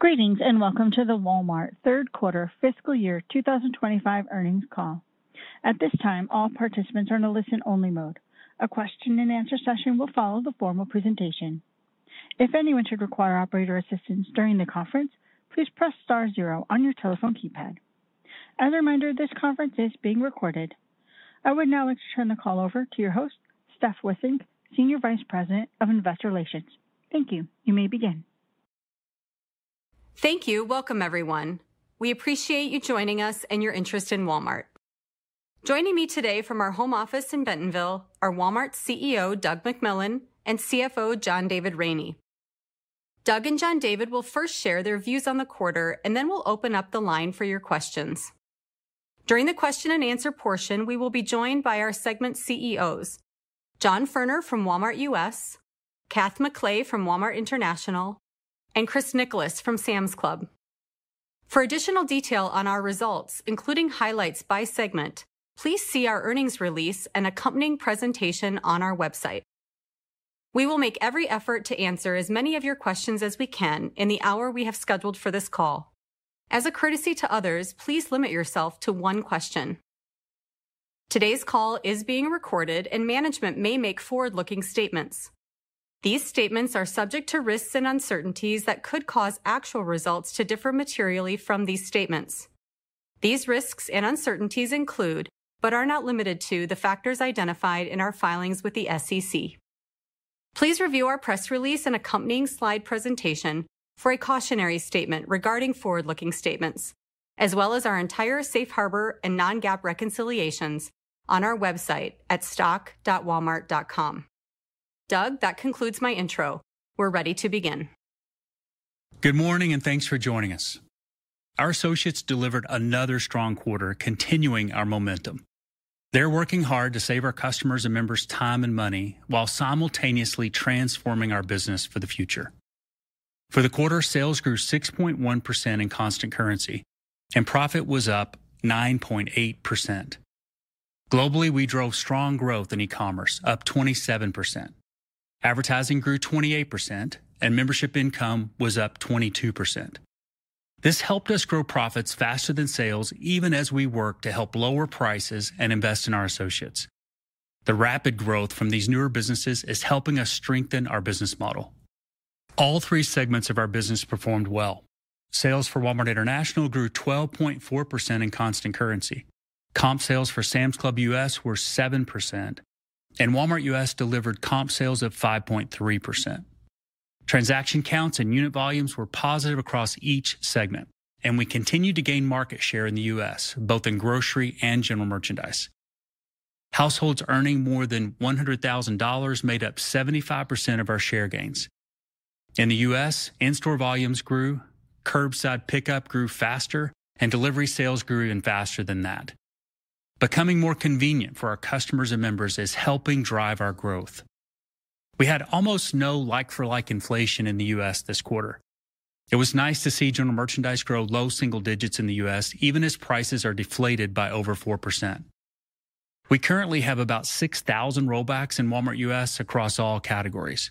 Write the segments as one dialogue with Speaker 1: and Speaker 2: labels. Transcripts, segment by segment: Speaker 1: Greetings and welcome to the Walmart Third Quarter Fiscal Year 2025 Earnings Call. At this time, all participants are in a listen-only mode. A question-and-answer session will follow the formal presentation. If anyone should require operator assistance during the conference, please press star zero on your telephone keypad. As a reminder, this conference is being recorded. I would now like to turn the call over to your host, Steph Wissink, Senior Vice President of Investor Relations. Thank you. You may begin.
Speaker 2: Thank you. Welcome, everyone. We appreciate you joining us and your interest in Walmart. Joining me today from our home office in Bentonville are Walmart CEO Doug McMillon and CFO John David Rainey. Doug and John David will first share their views on the quarter, and then we'll open up the line for your questions. During the question-and-answer portion, we will be joined by our segment CEOs, John Furner from Walmart U.S., Kath McLay from Walmart International, and Chris Nicholas from Sam's Club. For additional detail on our results, including highlights by segment, please see our earnings release and accompanying presentation on our website. We will make every effort to answer as many of your questions as we can in the hour we have scheduled for this call. As a courtesy to others, please limit yourself to one question. Today's call is being recorded, and management may make forward-looking statements. These statements are subject to risks and uncertainties that could cause actual results to differ materially from these statements. These risks and uncertainties include, but are not limited to, the factors identified in our filings with the SEC. Please review our press release and accompanying slide presentation for a cautionary statement regarding forward-looking statements, as well as our entire safe harbor and non-GAAP reconciliations on our website at stock.walmart.com. Doug, that concludes my intro. We're ready to begin.
Speaker 3: Good morning and thanks for joining us. Our associates delivered another strong quarter, continuing our momentum. They're working hard to save our customers and members time and money while simultaneously transforming our business for the future. For the quarter, sales grew 6.1% in constant currency, and profit was up 9.8%. Globally, we drove strong growth in e-commerce, up 27%. Advertising grew 28%, and membership income was up 22%. This helped us grow profits faster than sales, even as we work to help lower prices and invest in our associates. The rapid growth from these newer businesses is helping us strengthen our business model. All three segments of our business performed well. Sales for Walmart International grew 12.4% in constant currency. Comp sales for Sam's Club U.S. were 7%, and Walmart U.S. delivered comp sales of 5.3%. Transaction counts and unit volumes were positive across each segment, and we continued to gain market share in the U.S., both in grocery and General Merchandise. Households earning more than $100,000 made up 75% of our share gains. In the U.S., in-store volumes grew, curbside pickup grew faster, and delivery sales grew even faster than that. Becoming more convenient for our customers and members is helping drive our growth. We had almost no like-for-like inflation in the U.S. this quarter. It was nice to see General Merchandise grow low single digits in the U.S., even as prices are deflated by over 4%. We currently have about 6,000 rollbacks in Walmart U.S. across all categories.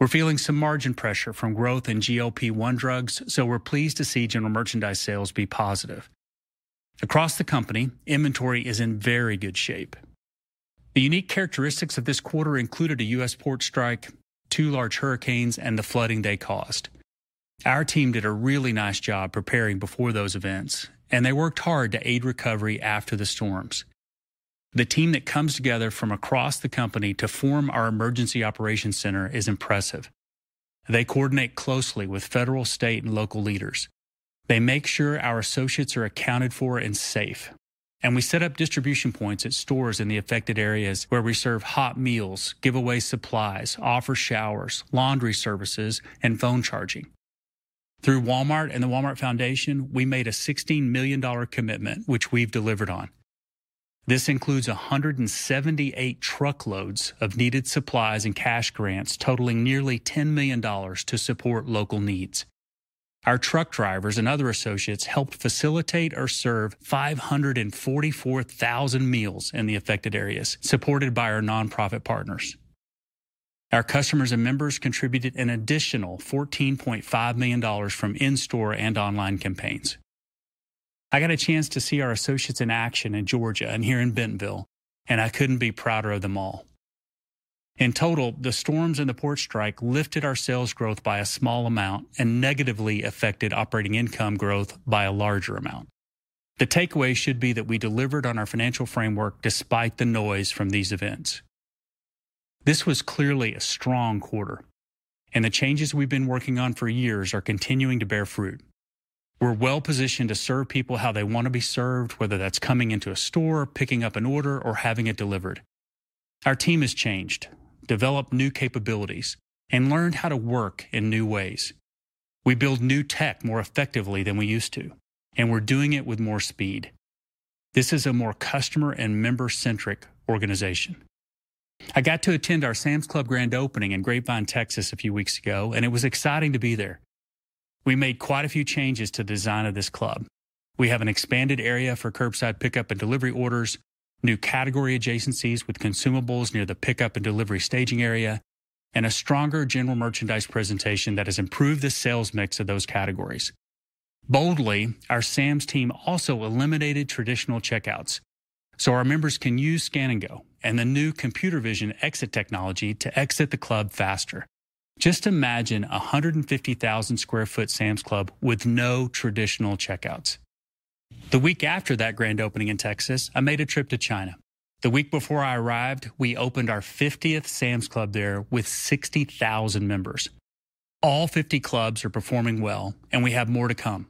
Speaker 3: We're feeling some margin pressure from growth in GLP-1 drugs, so we're pleased to see General Merchandise sales be positive. Across the company, inventory is in very good shape. The unique characteristics of this quarter included a U.S. port strike, two large hurricanes, and the flooding they caused. Our team did a really nice job preparing before those events, and they worked hard to aid recovery after the storms. The team that comes together from across the company to form our emergency operations center is impressive. They coordinate closely with federal, state, and local leaders. They make sure our associates are accounted for and safe, and we set up distribution points at stores in the affected areas where we serve hot meals, giveaway supplies, offer showers, laundry services, and phone charging. Through Walmart and the Walmart Foundation, we made a $16 million commitment, which we've delivered on. This includes 178 truckloads of needed supplies and cash grants totaling nearly $10 million to support local needs. Our truck drivers and other associates helped facilitate or serve 544,000 meals in the affected areas, supported by our nonprofit partners. Our customers and members contributed an additional $14.5 million from in-store and online campaigns. I got a chance to see our associates in action in Georgia and here in Bentonville, and I couldn't be prouder of them all. In total, the storms and the port strike lifted our sales growth by a small amount and negatively affected operating income growth by a larger amount. The takeaway should be that we delivered on our financial framework despite the noise from these events. This was clearly a strong quarter, and the changes we've been working on for years are continuing to bear fruit. We're well-positioned to serve people how they want to be served, whether that's coming into a store, picking up an order, or having it delivered. Our team has changed, developed new capabilities, and learned how to work in new ways. We build new tech more effectively than we used to, and we're doing it with more speed. This is a more customer and member-centric organization. I got to attend our Sam's Club grand opening in Grapevine, Texas, a few weeks ago, and it was exciting to be there. We made quite a few changes to the design of this club. We have an expanded area for curbside pickup and delivery orders, new category adjacencies with consumables near the pickup and delivery staging area, and a stronger General Merchandise presentation that has improved the sales mix of those categories. Boldly, our Sam's team also eliminated traditional checkouts, so our members can use Scan & Go and the new computer vision exit technology to exit the club faster. Just imagine a 150,000-sq-ft Sam's Club with no traditional checkouts. The week after that grand opening in Texas, I made a trip to China. The week before I arrived, we opened our 50th Sam's Club there with 60,000 members. All 50 clubs are performing well, and we have more to come.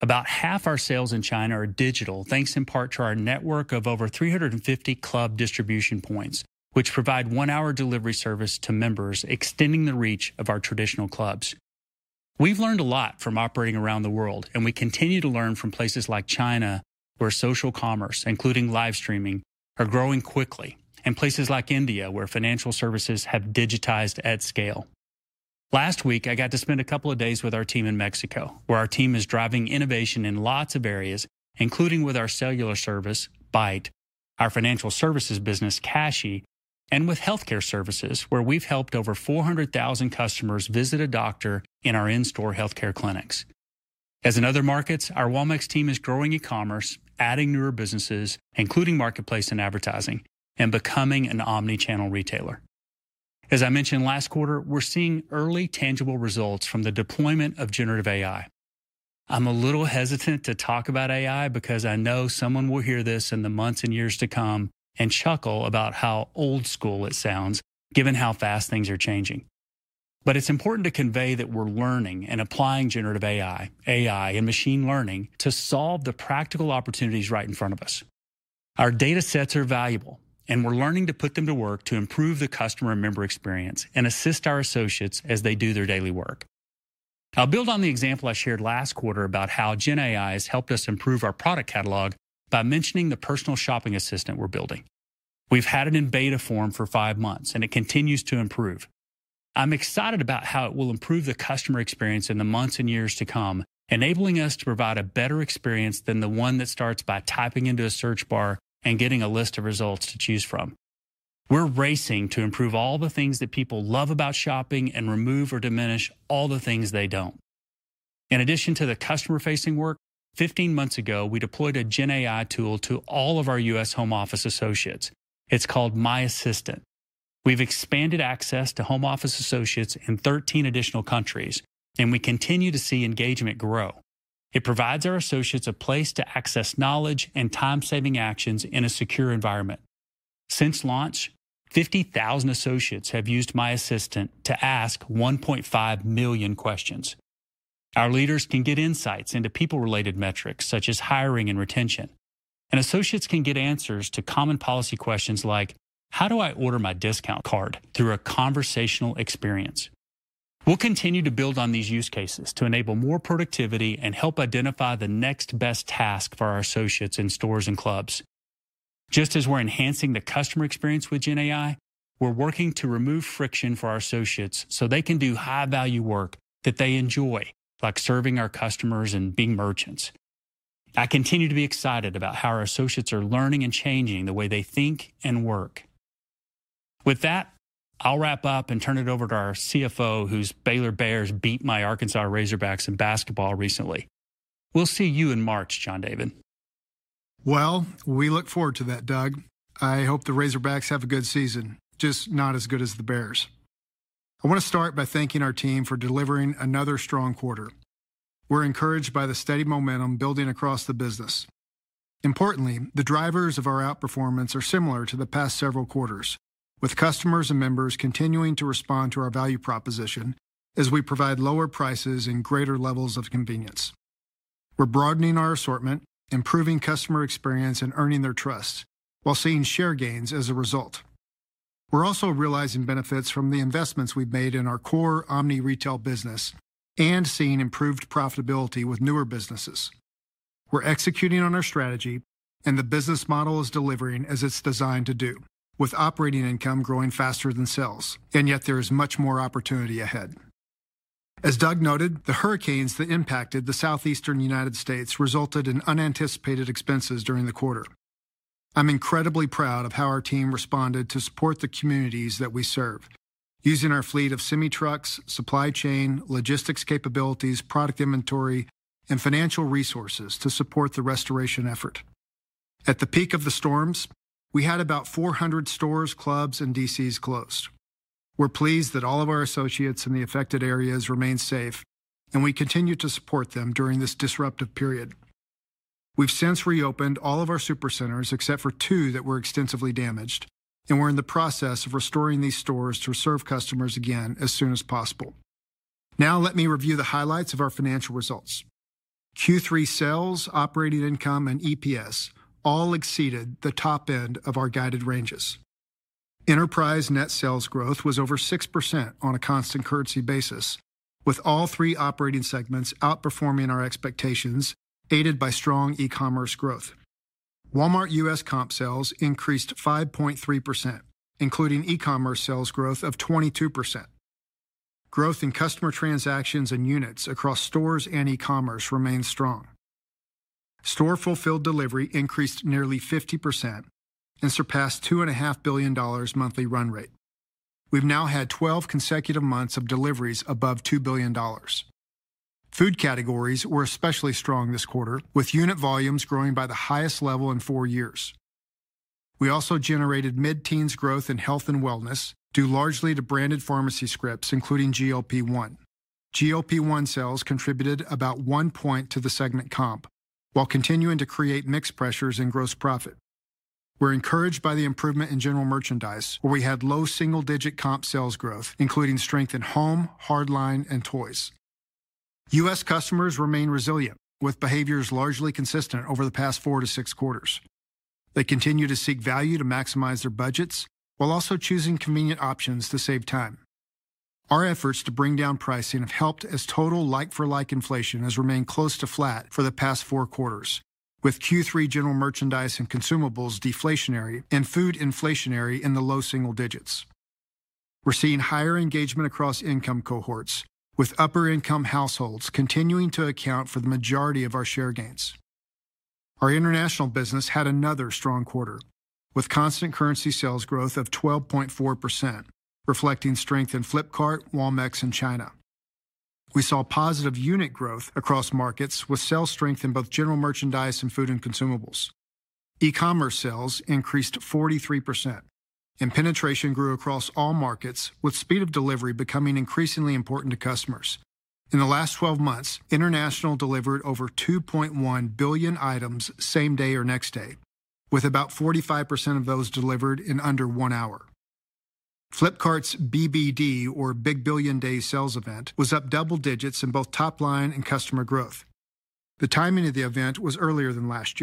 Speaker 3: About half our sales in China are digital, thanks in part to our network of over 350 club distribution points, which provide one-hour delivery service to members, extending the reach of our traditional clubs. We've learned a lot from operating around the world, and we continue to learn from places like China, where social commerce, including live streaming, are growing quickly, and places like India, where financial services have digitized at scale. Last week, I got to spend a couple of days with our team in Mexico, where our team is driving innovation in lots of areas, including with our cellular service, Bait, our financial services business, Cashi, and with healthcare services, where we've helped over 400,000 customers visit a doctor in our in-store healthcare clinics. As in other markets, our Walmart team is growing e-commerce, adding newer businesses, including marketplace and advertising, and becoming an omnichannel retailer. As I mentioned last quarter, we're seeing early tangible results from the deployment of generative AI. I'm a little hesitant to talk about AI because I know someone will hear this in the months and years to come and chuckle about how old-school it sounds, given how fast things are changing. But it's important to convey that we're learning and applying generative AI, AI, and machine learning to solve the practical opportunities right in front of us. Our data sets are valuable, and we're learning to put them to work to improve the customer and member experience and assist our associates as they do their daily work. I'll build on the example I shared last quarter about how GenAI has helped us improve our product catalog by mentioning the personal shopping assistant we're building. We've had it in beta form for five months, and it continues to improve. I'm excited about how it will improve the customer experience in the months and years to come, enabling us to provide a better experience than the one that starts by typing into a search bar and getting a list of results to choose from. We're racing to improve all the things that people love about shopping and remove or diminish all the things they don't. In addition to the customer-facing work, 15 months ago, we deployed a GenAI tool to all of our U.S. home office associates. It's called My Assistant. We've expanded access to home office associates in 13 additional countries, and we continue to see engagement grow. It provides our associates a place to access knowledge and time-saving actions in a secure environment. Since launch, 50,000 associates have used My Assistant to ask 1.5 million questions. Our leaders can get insights into people-related metrics such as hiring and retention, and associates can get answers to common policy questions like, "How do I order my discount card?" through a conversational experience. We'll continue to build on these use cases to enable more productivity and help identify the next best task for our associates in stores and clubs. Just as we're enhancing the customer experience with GenAI, we're working to remove friction for our associates so they can do high-value work that they enjoy, like serving our customers and being merchants. I continue to be excited about how our associates are learning and changing the way they think and work. With that, I'll wrap up and turn it over to our CFO, whose Baylor Bears beat my Arkansas Razorbacks in basketball recently. We'll see you in March, John Rainey.
Speaker 4: We look forward to that, Doug. I hope the Razorbacks have a good season, just not as good as the Bears. I want to start by thanking our team for delivering another strong quarter. We're encouraged by the steady momentum building across the business. Importantly, the drivers of our outperformance are similar to the past several quarters, with customers and members continuing to respond to our value proposition as we provide lower prices and greater levels of convenience. We're broadening our assortment, improving customer experience, and earning their trust while seeing share gains as a result. We're also realizing benefits from the investments we've made in our core omni-retail business and seeing improved profitability with newer businesses. We're executing on our strategy, and the business model is delivering as it's designed to do, with operating income growing faster than sales, and yet there is much more opportunity ahead. As Doug noted, the hurricanes that impacted the southeastern United States resulted in unanticipated expenses during the quarter. I'm incredibly proud of how our team responded to support the communities that we serve, using our fleet of semi-trucks, supply chain, logistics capabilities, product inventory, and financial resources to support the restoration effort. At the peak of the storms, we had about 400 stores, clubs, and DCs closed. We're pleased that all of our associates in the affected areas remain safe, and we continue to support them during this disruptive period. We've since reopened all of our supercenters except for two that were extensively damaged, and we're in the process of restoring these stores to serve customers again as soon as possible. Now let me review the highlights of our financial results. Q3 sales, operating income, and EPS all exceeded the top end of our guided ranges. Enterprise net sales growth was over 6% on a constant currency basis, with all three operating segments outperforming our expectations, aided by strong e-commerce growth. Walmart U.S. comp sales increased 5.3%, including e-commerce sales growth of 22%. Growth in customer transactions and units across stores and e-commerce remained strong. Store-fulfilled delivery increased nearly 50% and surpassed $2.5 billion monthly run rate. We've now had 12 consecutive months of deliveries above $2 billion. Food categories were especially strong this quarter, with unit volumes growing by the highest level in four years. We also generated mid-teens growth in Health and Wellness due largely to branded pharmacy scripts, including GLP-1. GLP-1 sales contributed about one point to the segment comp while continuing to create mixed pressures in gross profit. We're encouraged by the improvement in General Merchandise, where we had low single-digit comp sales growth, including strength in home, hardlines, and toys. U.S. customers remain resilient, with behaviors largely consistent over the past four to six quarters. They continue to seek value to maximize their budgets while also choosing convenient options to save time. Our efforts to bring down pricing have helped as total like-for-like inflation has remained close to flat for the past four quarters, with Q3 General Merchandise and consumables deflationary and food inflationary in the low single digits. We're seeing higher engagement across income cohorts, with upper-income households continuing to account for the majority of our share gains. Our international business had another strong quarter, with constant currency sales growth of 12.4%, reflecting strength in Flipkart, Walmart, and China. We saw positive unit growth across markets, with sales strength in both General Merchandise and food and consumables. E-commerce sales increased 43%, and penetration grew across all markets, with speed of delivery becoming increasingly important to customers. In the last 12 months, International delivered over 2.1 billion items same day or next day, with about 45% of those delivered in under one hour. Flipkart's BBD, or Big Billion Day sales event, was up double digits in both top line and customer growth. The timing of the event was earlier than last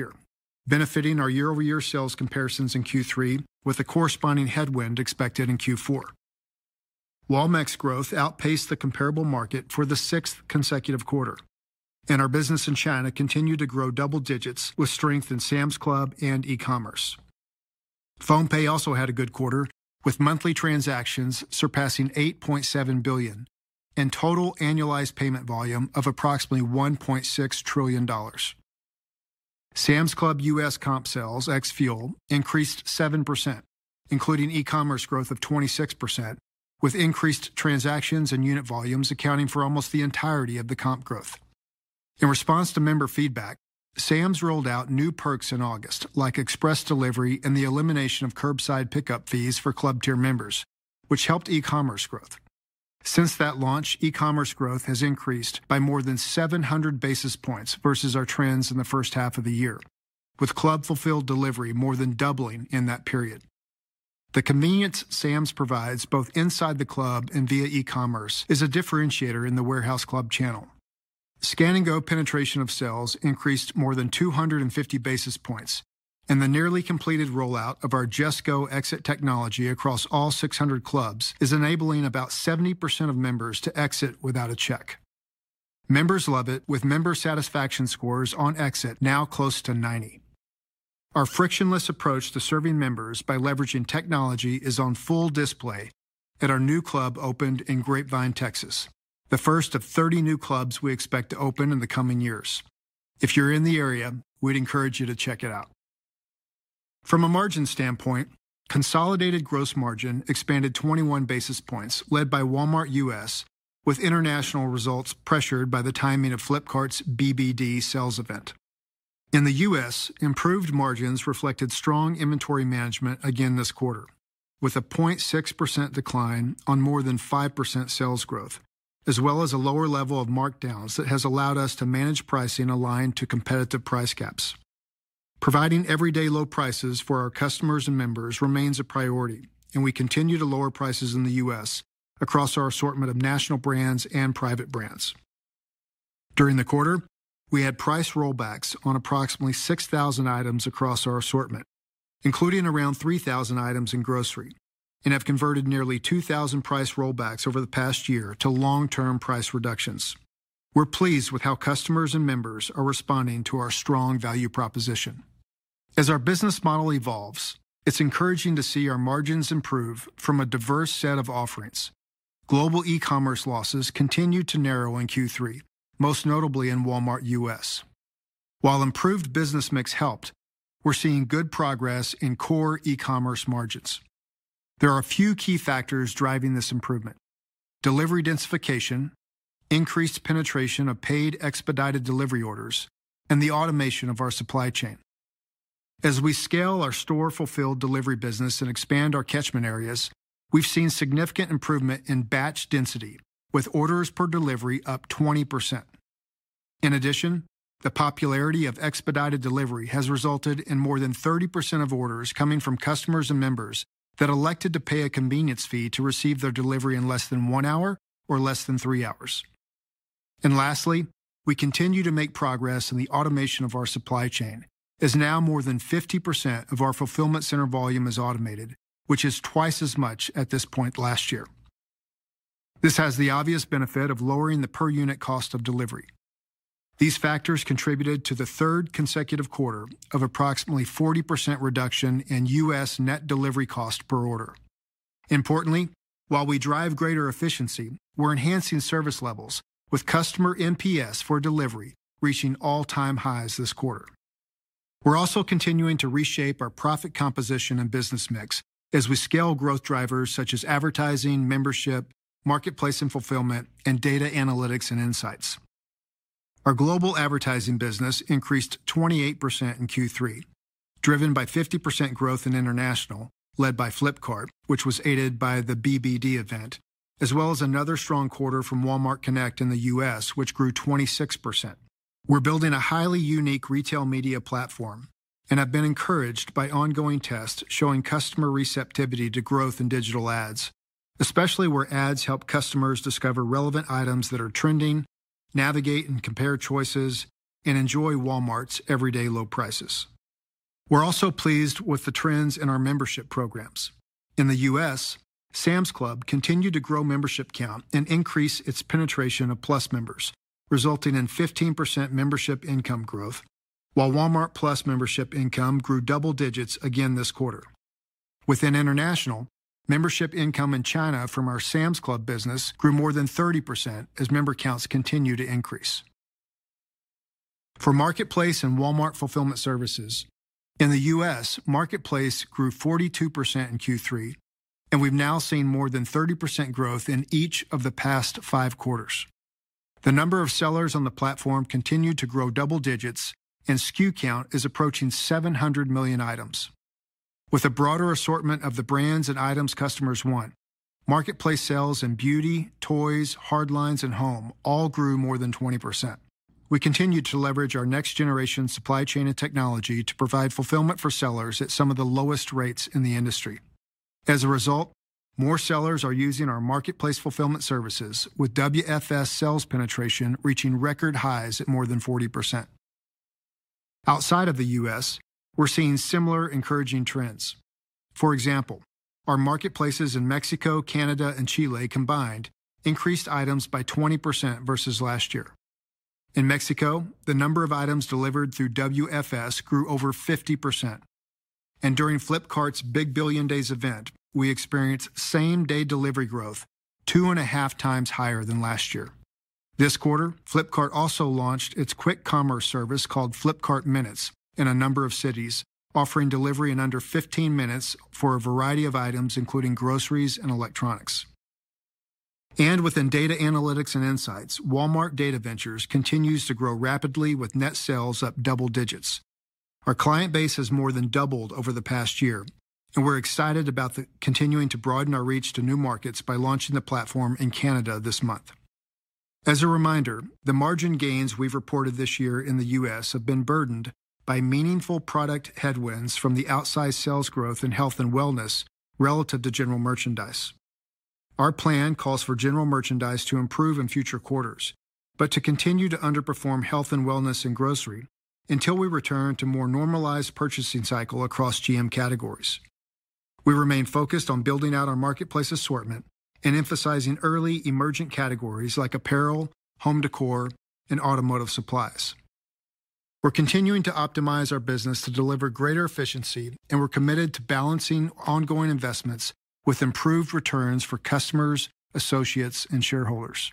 Speaker 4: year, benefiting our year-over-year sales comparisons in Q3, with a corresponding headwind expected in Q4. Walmart's growth outpaced the comparable market for the sixth consecutive quarter, and our business in China continued to grow double digits with strength in Sam's Club and e-commerce. PhonePe also had a good quarter, with monthly transactions surpassing 8.7 billion and total annualized payment volume of approximately $1.6 trillion. Sam's Club U.S. comp sales ex-fuel increased 7%, including e-commerce growth of 26%, with increased transactions and unit volumes accounting for almost the entirety of the comp growth. In response to member feedback, Sam's rolled out new perks in August, like express delivery and the elimination of curbside pickup fees for Club tier members, which helped e-commerce growth. Since that launch, e-commerce growth has increased by more than 700 basis points versus our trends in the first half of the year, with club-fulfilled delivery more than doubling in that period. The convenience Sam's provides both inside the club and via e-commerce is a differentiator in the warehouse club channel. Scan & Go penetration of sales increased more than 250 basis points, and the nearly completed rollout of our Just Go exit technology across all 600 clubs is enabling about 70% of members to exit without a check. Members love it, with member satisfaction scores on exit now close to 90. Our frictionless approach to serving members by leveraging technology is on full display at our new club opened in Grapevine, Texas, the first of 30 new clubs we expect to open in the coming years. If you're in the area, we'd encourage you to check it out. From a margin standpoint, consolidated gross margin expanded 21 basis points, led by Walmart U.S., with international results pressured by the timing of Flipkart's BBD sales event. In the U.S., improved margins reflected strong inventory management again this quarter, with a 0.6% decline on more than 5% sales growth, as well as a lower level of markdowns that has allowed us to manage pricing aligned to competitive price caps. Providing everyday low prices for our customers and members remains a priority, and we continue to lower prices in the U.S. across our assortment of national brands and private brands. During the quarter, we had price rollbacks on approximately 6,000 items across our assortment, including around 3,000 items in grocery, and have converted nearly 2,000 price rollbacks over the past year to long-term price reductions. We're pleased with how customers and members are responding to our strong value proposition. As our business model evolves, it's encouraging to see our margins improve from a diverse set of offerings. Global e-commerce losses continued to narrow in Q3, most notably in Walmart U.S. While improved business mix helped, we're seeing good progress in core e-commerce margins. There are a few key factors driving this improvement: delivery densification, increased penetration of paid expedited delivery orders, and the automation of our supply chain. As we scale our store-fulfilled delivery business and expand our catchment areas, we've seen significant improvement in batch density, with orders per delivery up 20%. In addition, the popularity of expedited delivery has resulted in more than 30% of orders coming from customers and members that elected to pay a convenience fee to receive their delivery in less than one hour or less than three hours, and lastly, we continue to make progress in the automation of our supply chain, as now more than 50% of our fulfillment center volume is automated, which is twice as much at this point last year. This has the obvious benefit of lowering the per-unit cost of delivery. These factors contributed to the third consecutive quarter of approximately 40% reduction in U.S. net delivery cost per order. Importantly, while we drive greater efficiency, we're enhancing service levels, with customer NPS for delivery reaching all-time highs this quarter. We're also continuing to reshape our profit composition and business mix as we scale growth drivers such as advertising, membership, marketplace and fulfillment, and data analytics and insights. Our global advertising business increased 28% in Q3, driven by 50% growth in international, led by Flipkart, which was aided by the BBD event, as well as another strong quarter from Walmart Connect in the U.S., which grew 26%. We're building a highly unique retail media platform and have been encouraged by ongoing tests showing customer receptivity to growth in digital ads, especially where ads help customers discover relevant items that are trending, navigate and compare choices, and enjoy Walmart's everyday low prices. We're also pleased with the trends in our membership programs. In the U.S., Sam's Club continued to grow membership count and increase its penetration of Plus members, resulting in 15% membership income growth, while Walmart+ membership income grew double digits again this quarter. Within International, membership income in China from our Sam's Club business grew more than 30% as member counts continue to increase. For marketplace and Walmart Fulfillment Services, in the U.S., marketplace grew 42% in Q3, and we've now seen more than 30% growth in each of the past five quarters. The number of sellers on the platform continued to grow double digits, and SKU count is approaching 700 million items. With a broader assortment of the brands and items customers want, marketplace sales in beauty, toys, hardlines, and home all grew more than 20%. We continue to leverage our next-generation supply chain and technology to provide fulfillment for sellers at some of the lowest rates in the industry. As a result, more sellers are using our marketplace fulfillment services, with WFS sales penetration reaching record highs at more than 40%. Outside of the U.S., we're seeing similar encouraging trends. For example, our marketplaces in Mexico, Canada, and Chile combined increased items by 20% versus last year. In Mexico, the number of items delivered through WFS grew over 50%, and during Flipkart's Big Billion Days event, we experienced same-day delivery growth, two and a half times higher than last year. This quarter, Flipkart also launched its quick commerce service called Flipkart Minutes in a number of cities, offering delivery in under 15 minutes for a variety of items, including groceries and electronics. Within data analytics and insights, Walmart Data Ventures continues to grow rapidly, with net sales up double digits. Our client base has more than doubled over the past year, and we're excited about continuing to broaden our reach to new markets by launching the platform in Canada this month. As a reminder, the margin gains we've reported this year in the U.S. have been burdened by meaningful product headwinds from the outsized sales growth in Health and Wellness relative to General Merchandise. Our plan calls for General Merchandise to improve in future quarters, but to continue to underperform Health and Wellness and Grocery until we return to a more normalized purchasing cycle across GM categories. We remain focused on building out our marketplace assortment and emphasizing early emergent categories like apparel, home decor, and automotive supplies. We're continuing to optimize our business to deliver greater efficiency, and we're committed to balancing ongoing investments with improved returns for customers, associates, and shareholders.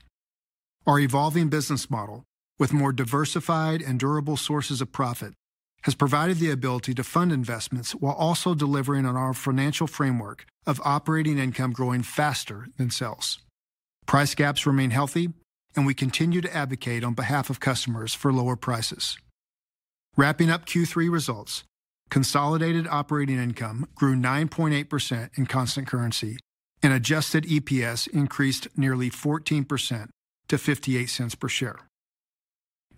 Speaker 4: Our evolving business model, with more diversified and durable sources of profit, has provided the ability to fund investments while also delivering on our financial framework of operating income growing faster than sales. Price gaps remain healthy, and we continue to advocate on behalf of customers for lower prices. Wrapping up Q3 results, consolidated operating income grew 9.8% in constant currency, and Adjusted EPS increased nearly 14% to $0.58 per share.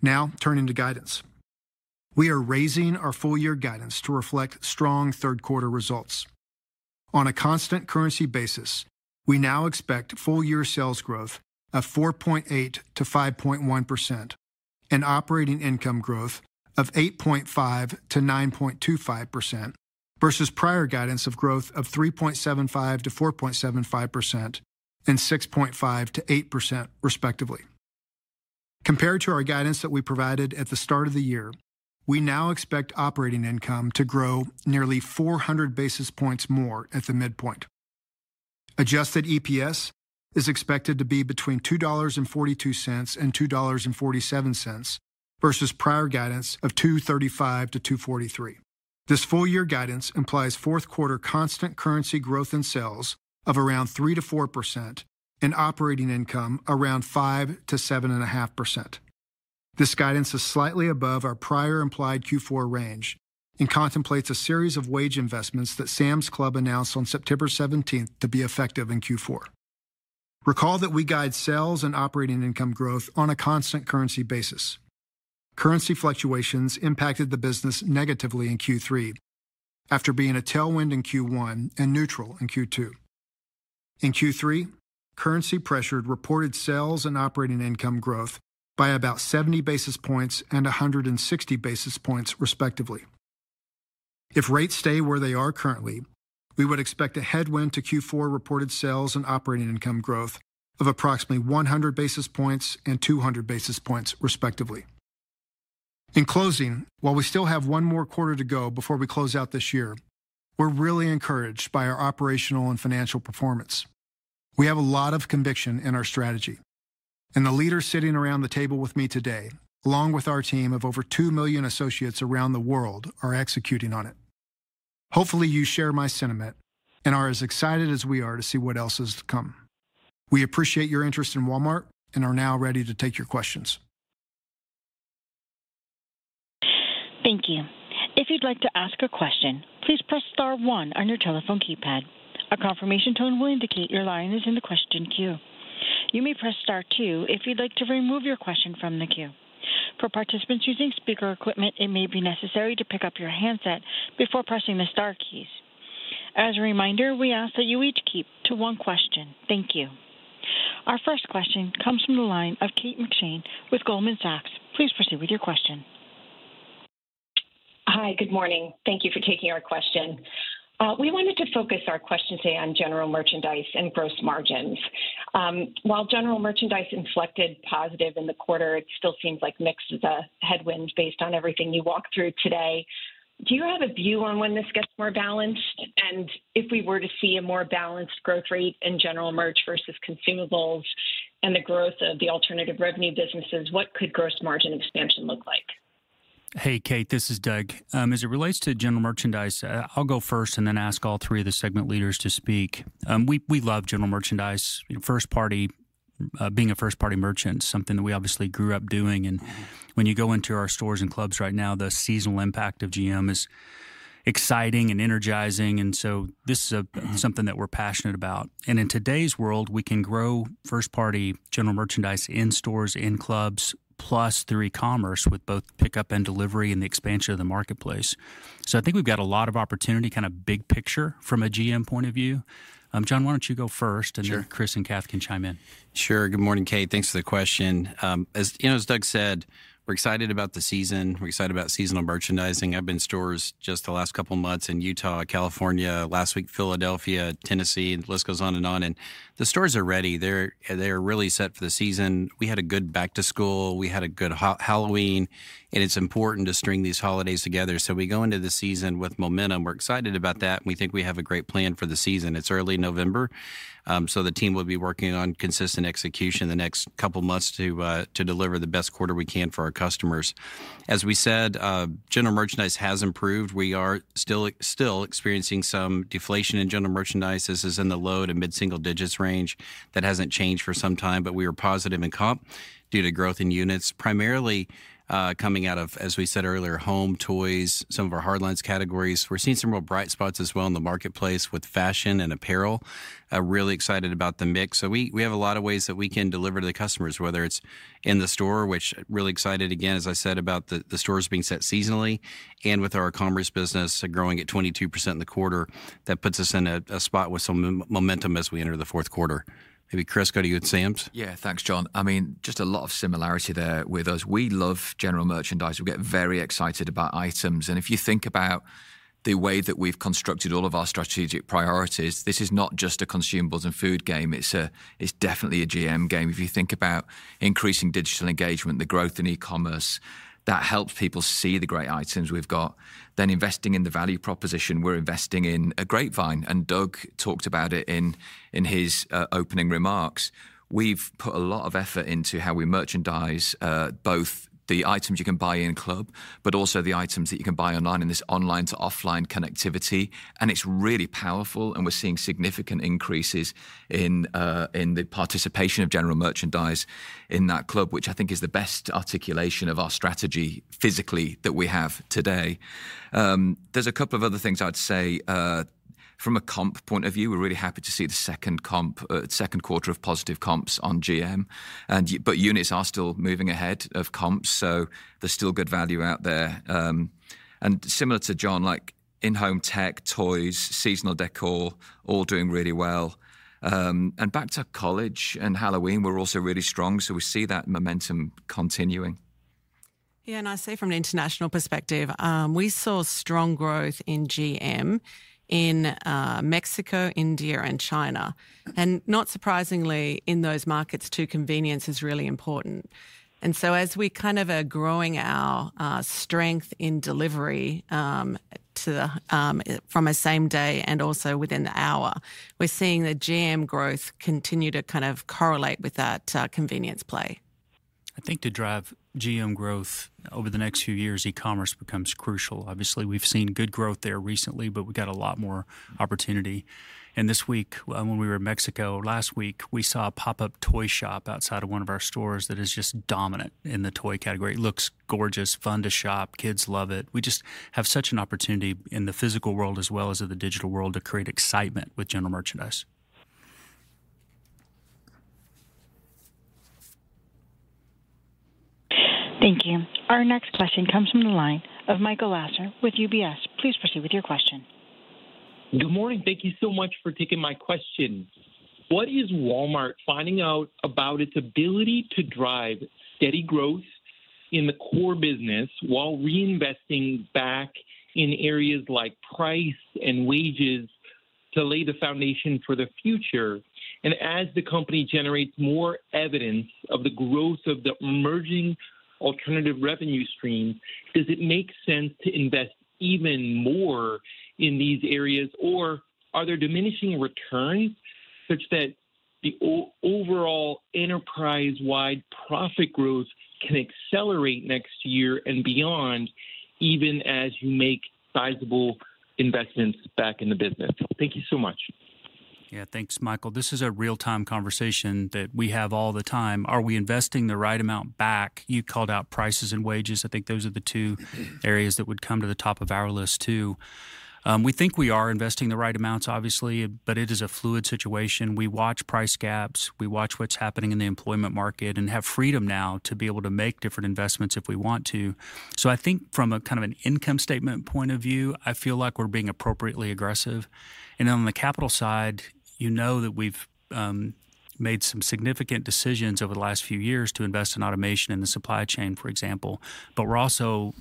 Speaker 4: Now, turning to guidance. We are raising our full-year guidance to reflect strong third-quarter results. On a constant currency basis, we now expect full-year sales growth of 4.8%-5.1% and operating income growth of 8.5%-9.25% versus prior guidance of growth of 3.75%-4.75% and 6.5%-8%, respectively. Compared to our guidance that we provided at the start of the year, we now expect operating income to grow nearly 400 basis points more at the midpoint. Adjusted EPS is expected to be between $2.42 and $2.47 versus prior guidance of $2.35-$2.43. This full-year guidance implies fourth-quarter constant currency growth in sales of around 3%-4% and operating income around 5%-7.5%. This guidance is slightly above our prior implied Q4 range and contemplates a series of wage investments that Sam's Club announced on September 17th to be effective in Q4. Recall that we guide sales and operating income growth on a constant currency basis. Currency fluctuations impacted the business negatively in Q3 after being a tailwind in Q1 and neutral in Q2. In Q3, currency pressured reported sales and operating income growth by about 70 basis points and 160 basis points, respectively. If rates stay where they are currently, we would expect a headwind to Q4 reported sales and operating income growth of approximately 100 basis points and 200 basis points, respectively. In closing, while we still have one more quarter to go before we close out this year, we're really encouraged by our operational and financial performance. We have a lot of conviction in our strategy, and the leaders sitting around the table with me today, along with our team of over two million associates around the world, are executing on it. Hopefully, you share my sentiment and are as excited as we are to see what else is to come. We appreciate your interest in Walmart and are now ready to take your questions.
Speaker 1: Thank you. If you'd like to ask a question, please press star one on your telephone keypad. A confirmation tone will indicate your line is in the question queue. You may press star two if you'd like to remove your question from the queue. For participants using speaker equipment, it may be necessary to pick up your handset before pressing the Star keys. As a reminder, we ask that you each keep to one question. Thank you. Our first question comes from the line of Kate McShane with Goldman Sachs. Please proceed with your question.
Speaker 5: Hi, good morning. Thank you for taking our question. We wanted to focus our question today on General Merchandise and gross margins. While General Merchandise inflected positive in the quarter, it still seems like mix is a headwind based on everything you walked through today. Do you have a view on when this gets more balanced? And if we were to see a more balanced growth rate in general merch versus consumables and the growth of the alternative revenue businesses, what could gross margin expansion look like?
Speaker 3: Hey, Kate, this is Doug. As it relates to General Merchandise, I'll go first and then ask all three of the segment leaders to speak. We love General Merchandise. First-party, being a first-party merchant, is something that we obviously grew up doing, and when you go into our stores and clubs right now, the seasonal impact of GM is exciting and energizing, and so this is something that we're passionate about, and in today's world, we can grow first-party General Merchandise in stores, in clubs, plus through e-commerce with both pickup and delivery and the expansion of the marketplace. So I think we've got a lot of opportunity, kind of big picture from a GM point of view. John, why don't you go first, and then Chris and Kath can chime in.
Speaker 6: Sure. Good morning, Kate. Thanks for the question. As Doug said, we're excited about the season. We're excited about seasonal merchandising. I've been in stores just the last couple of months in Utah, California, last week Philadelphia, Tennessee, the list goes on and on. And the stores are ready. They're really set for the season. We had a good back-to-school. We had a good Halloween. And it's important to string these holidays together. So we go into the season with momentum. We're excited about that, and we think we have a great plan for the season. It's early November, so the team will be working on consistent execution the next couple of months to deliver the best quarter we can for our customers. As we said, General Merchandise has improved. We are still experiencing some deflation in General Merchandise. This is in the low- to mid-single-digits range. That hasn't changed for some time, but we are positive in comp due to growth in units, primarily coming out of, as we said earlier, home, toys, some of our hardlines categories. We're seeing some real bright spots as well in the marketplace with fashion and apparel. Really excited about the mix. So we have a lot of ways that we can deliver to the customers, whether it's in the store, which really excited, again, as I said, about the stores being set seasonally, and with our e-commerce business growing at 22% in the quarter. That puts us in a spot with some momentum as we enter the fourth quarter. Maybe Chris, go to you at Sam's.
Speaker 7: Yeah, thanks, John. I mean, just a lot of similarity there with us. We love General Merchandise. We get very excited about items. And if you think about the way that we've constructed all of our strategic priorities, this is not just a consumables and food game. It's definitely a GM game. If you think about increasing digital engagement, the growth in e-commerce, that helps people see the great items we've got. Then investing in the value proposition, we're investing in a Grapevine. And Doug talked about it in his opening remarks. We've put a lot of effort into how we merchandise both the items you can buy in club, but also the items that you can buy online in this online to offline connectivity. It's really powerful, and we're seeing significant increases in the participation of General Merchandise in that club, which I think is the best articulation of our strategy physically that we have today. There's a couple of other things I'd say. From a comp point of view, we're really happy to see the second quarter of positive comps on GM. But units are still moving ahead of comps, so there's still good value out there. And similar to John, like in-home tech, toys, seasonal decor, all doing really well. And back to college and Halloween, we're also really strong, so we see that momentum continuing.
Speaker 8: Yeah, and I say from an international perspective, we saw strong growth in GM in Mexico, India, and China. And not surprisingly, in those markets, too, convenience is really important. And so as we kind of are growing our strength in delivery from a same-day and also within the hour, we're seeing the GM growth continue to kind of correlate with that convenience play.
Speaker 3: I think to drive GM growth over the next few years, e-commerce becomes crucial. Obviously, we've seen good growth there recently, but we've got a lot more opportunity, and this week, when we were in Mexico last week, we saw a pop-up toy shop outside of one of our stores that is just dominant in the toy category. It looks gorgeous, fun to shop. Kids love it. We just have such an opportunity in the physical world as well as in the digital world to create excitement with General Merchandise.
Speaker 1: Thank you. Our next question comes from the line of Michael Lasser with UBS. Please proceed with your question.
Speaker 9: Good morning. Thank you so much for taking my question. What is Walmart finding out about its ability to drive steady growth in the core business while reinvesting back in areas like price and wages to lay the foundation for the future? And as the company generates more evidence of the growth of the emerging alternative revenue streams, does it make sense to invest even more in these areas, or are there diminishing returns such that the overall enterprise-wide profit growth can accelerate next year and beyond, even as you make sizable investments back in the business? Thank you so much.
Speaker 3: Yeah, thanks, Michael. This is a real-time conversation that we have all the time. Are we investing the right amount back? You called out prices and wages. I think those are the two areas that would come to the top of our list, too. We think we are investing the right amounts, obviously, but it is a fluid situation. We watch price gaps. We watch what's happening in the employment market and have freedom now to be able to make different investments if we want to. So I think from a kind of an income statement point of view, I feel like we're being appropriately aggressive. And on the capital side, you know that we've made some significant decisions over the last few years to invest in automation in the supply chain, for example. But we're also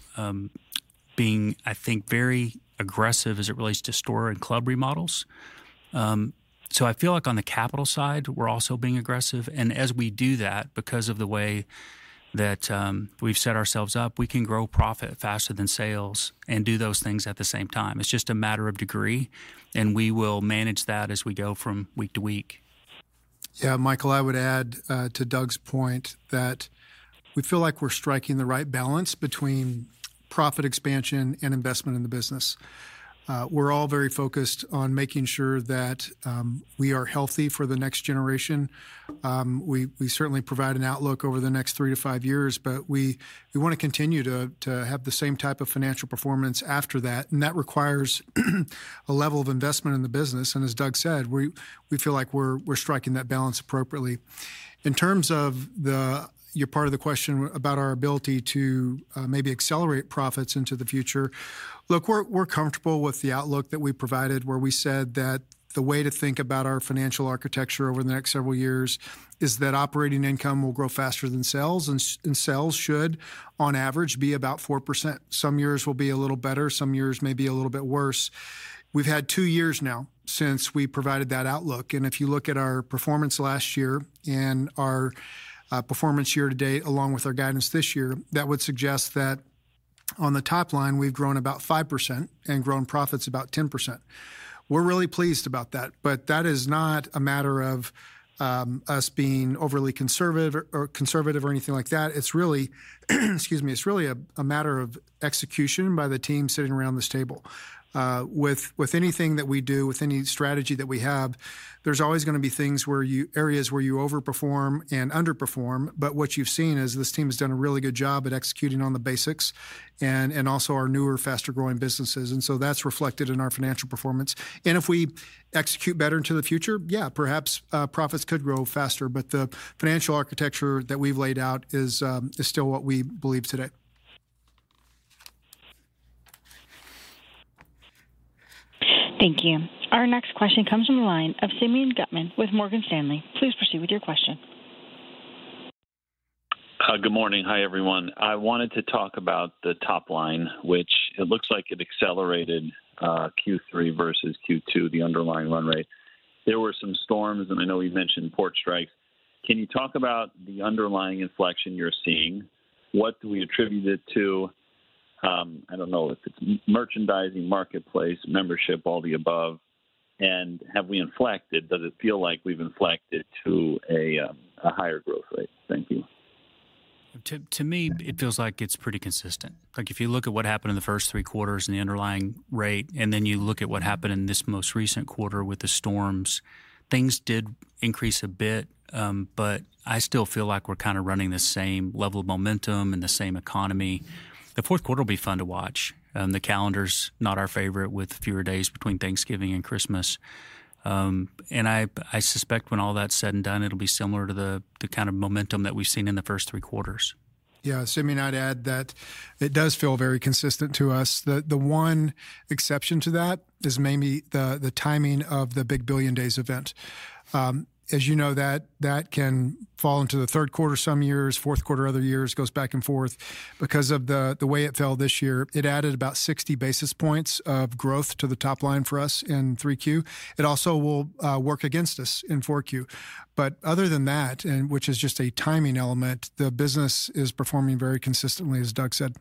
Speaker 3: being, I think, very aggressive as it relates to store and club remodels. So I feel like on the capital side, we're also being aggressive. And as we do that, because of the way that we've set ourselves up, we can grow profit faster than sales and do those things at the same time. It's just a matter of degree, and we will manage that as we go from week to week.
Speaker 4: Yeah, Michael, I would add to Doug's point that we feel like we're striking the right balance between profit expansion and investment in the business. We're all very focused on making sure that we are healthy for the next generation. We certainly provide an outlook over the next three to five years, but we want to continue to have the same type of financial performance after that. And that requires a level of investment in the business. And as Doug said, we feel like we're striking that balance appropriately. In terms of your part of the question about our ability to maybe accelerate profits into the future, look, we're comfortable with the outlook that we provided where we said that the way to think about our financial architecture over the next several years is that operating income will grow faster than sales, and sales should, on average, be about 4%. Some years will be a little better. Some years may be a little bit worse. We've had two years now since we provided that outlook. And if you look at our performance last year and our performance year to date, along with our guidance this year, that would suggest that on the top line, we've grown about 5% and grown profits about 10%. We're really pleased about that. But that is not a matter of us being overly conservative or conservative or anything like that. Excuse me, it's really a matter of execution by the team sitting around this table. With anything that we do, with any strategy that we have, there's always going to be things where areas where you overperform and underperform. But what you've seen is this team has done a really good job at executing on the basics and also our newer, faster-growing businesses. And so that's reflected in our financial performance. And if we execute better into the future, yeah, perhaps profits could grow faster. But the financial architecture that we've laid out is still what we believe today.
Speaker 1: Thank you. Our next question comes from the line of Simeon Gutman with Morgan Stanley. Please proceed with your question.
Speaker 10: Good morning. Hi, everyone. I wanted to talk about the top line, which it looks like it accelerated Q3 versus Q2, the underlying run rate. There were some storms, and I know we've mentioned port strikes. Can you talk about the underlying inflection you're seeing? What do we attribute it to? I don't know if it's merchandising, marketplace, membership, all the above. And have we inflected? Does it feel like we've inflected to a higher growth rate? Thank you.
Speaker 3: To me, it feels like it's pretty consistent. If you look at what happened in the first three quarters and the underlying rate, and then you look at what happened in this most recent quarter with the storms, things did increase a bit, but I still feel like we're kind of running the same level of momentum and the same economy. The fourth quarter will be fun to watch. The calendar's not our favorite with fewer days between Thanksgiving and Christmas, and I suspect when all that's said and done, it'll be similar to the kind of momentum that we've seen in the first three quarters.
Speaker 4: Yeah, Simeon, I'd add that it does feel very consistent to us. The one exception to that is maybe the timing of the Big Billion Days event. As you know, that can fall into the third quarter some years, fourth quarter other years, goes back and forth. Because of the way it fell this year, it added about 60 basis points of growth to the top line for us in 3Q. It also will work against us in 4Q. But other than that, which is just a timing element, the business is performing very consistently, as Doug said.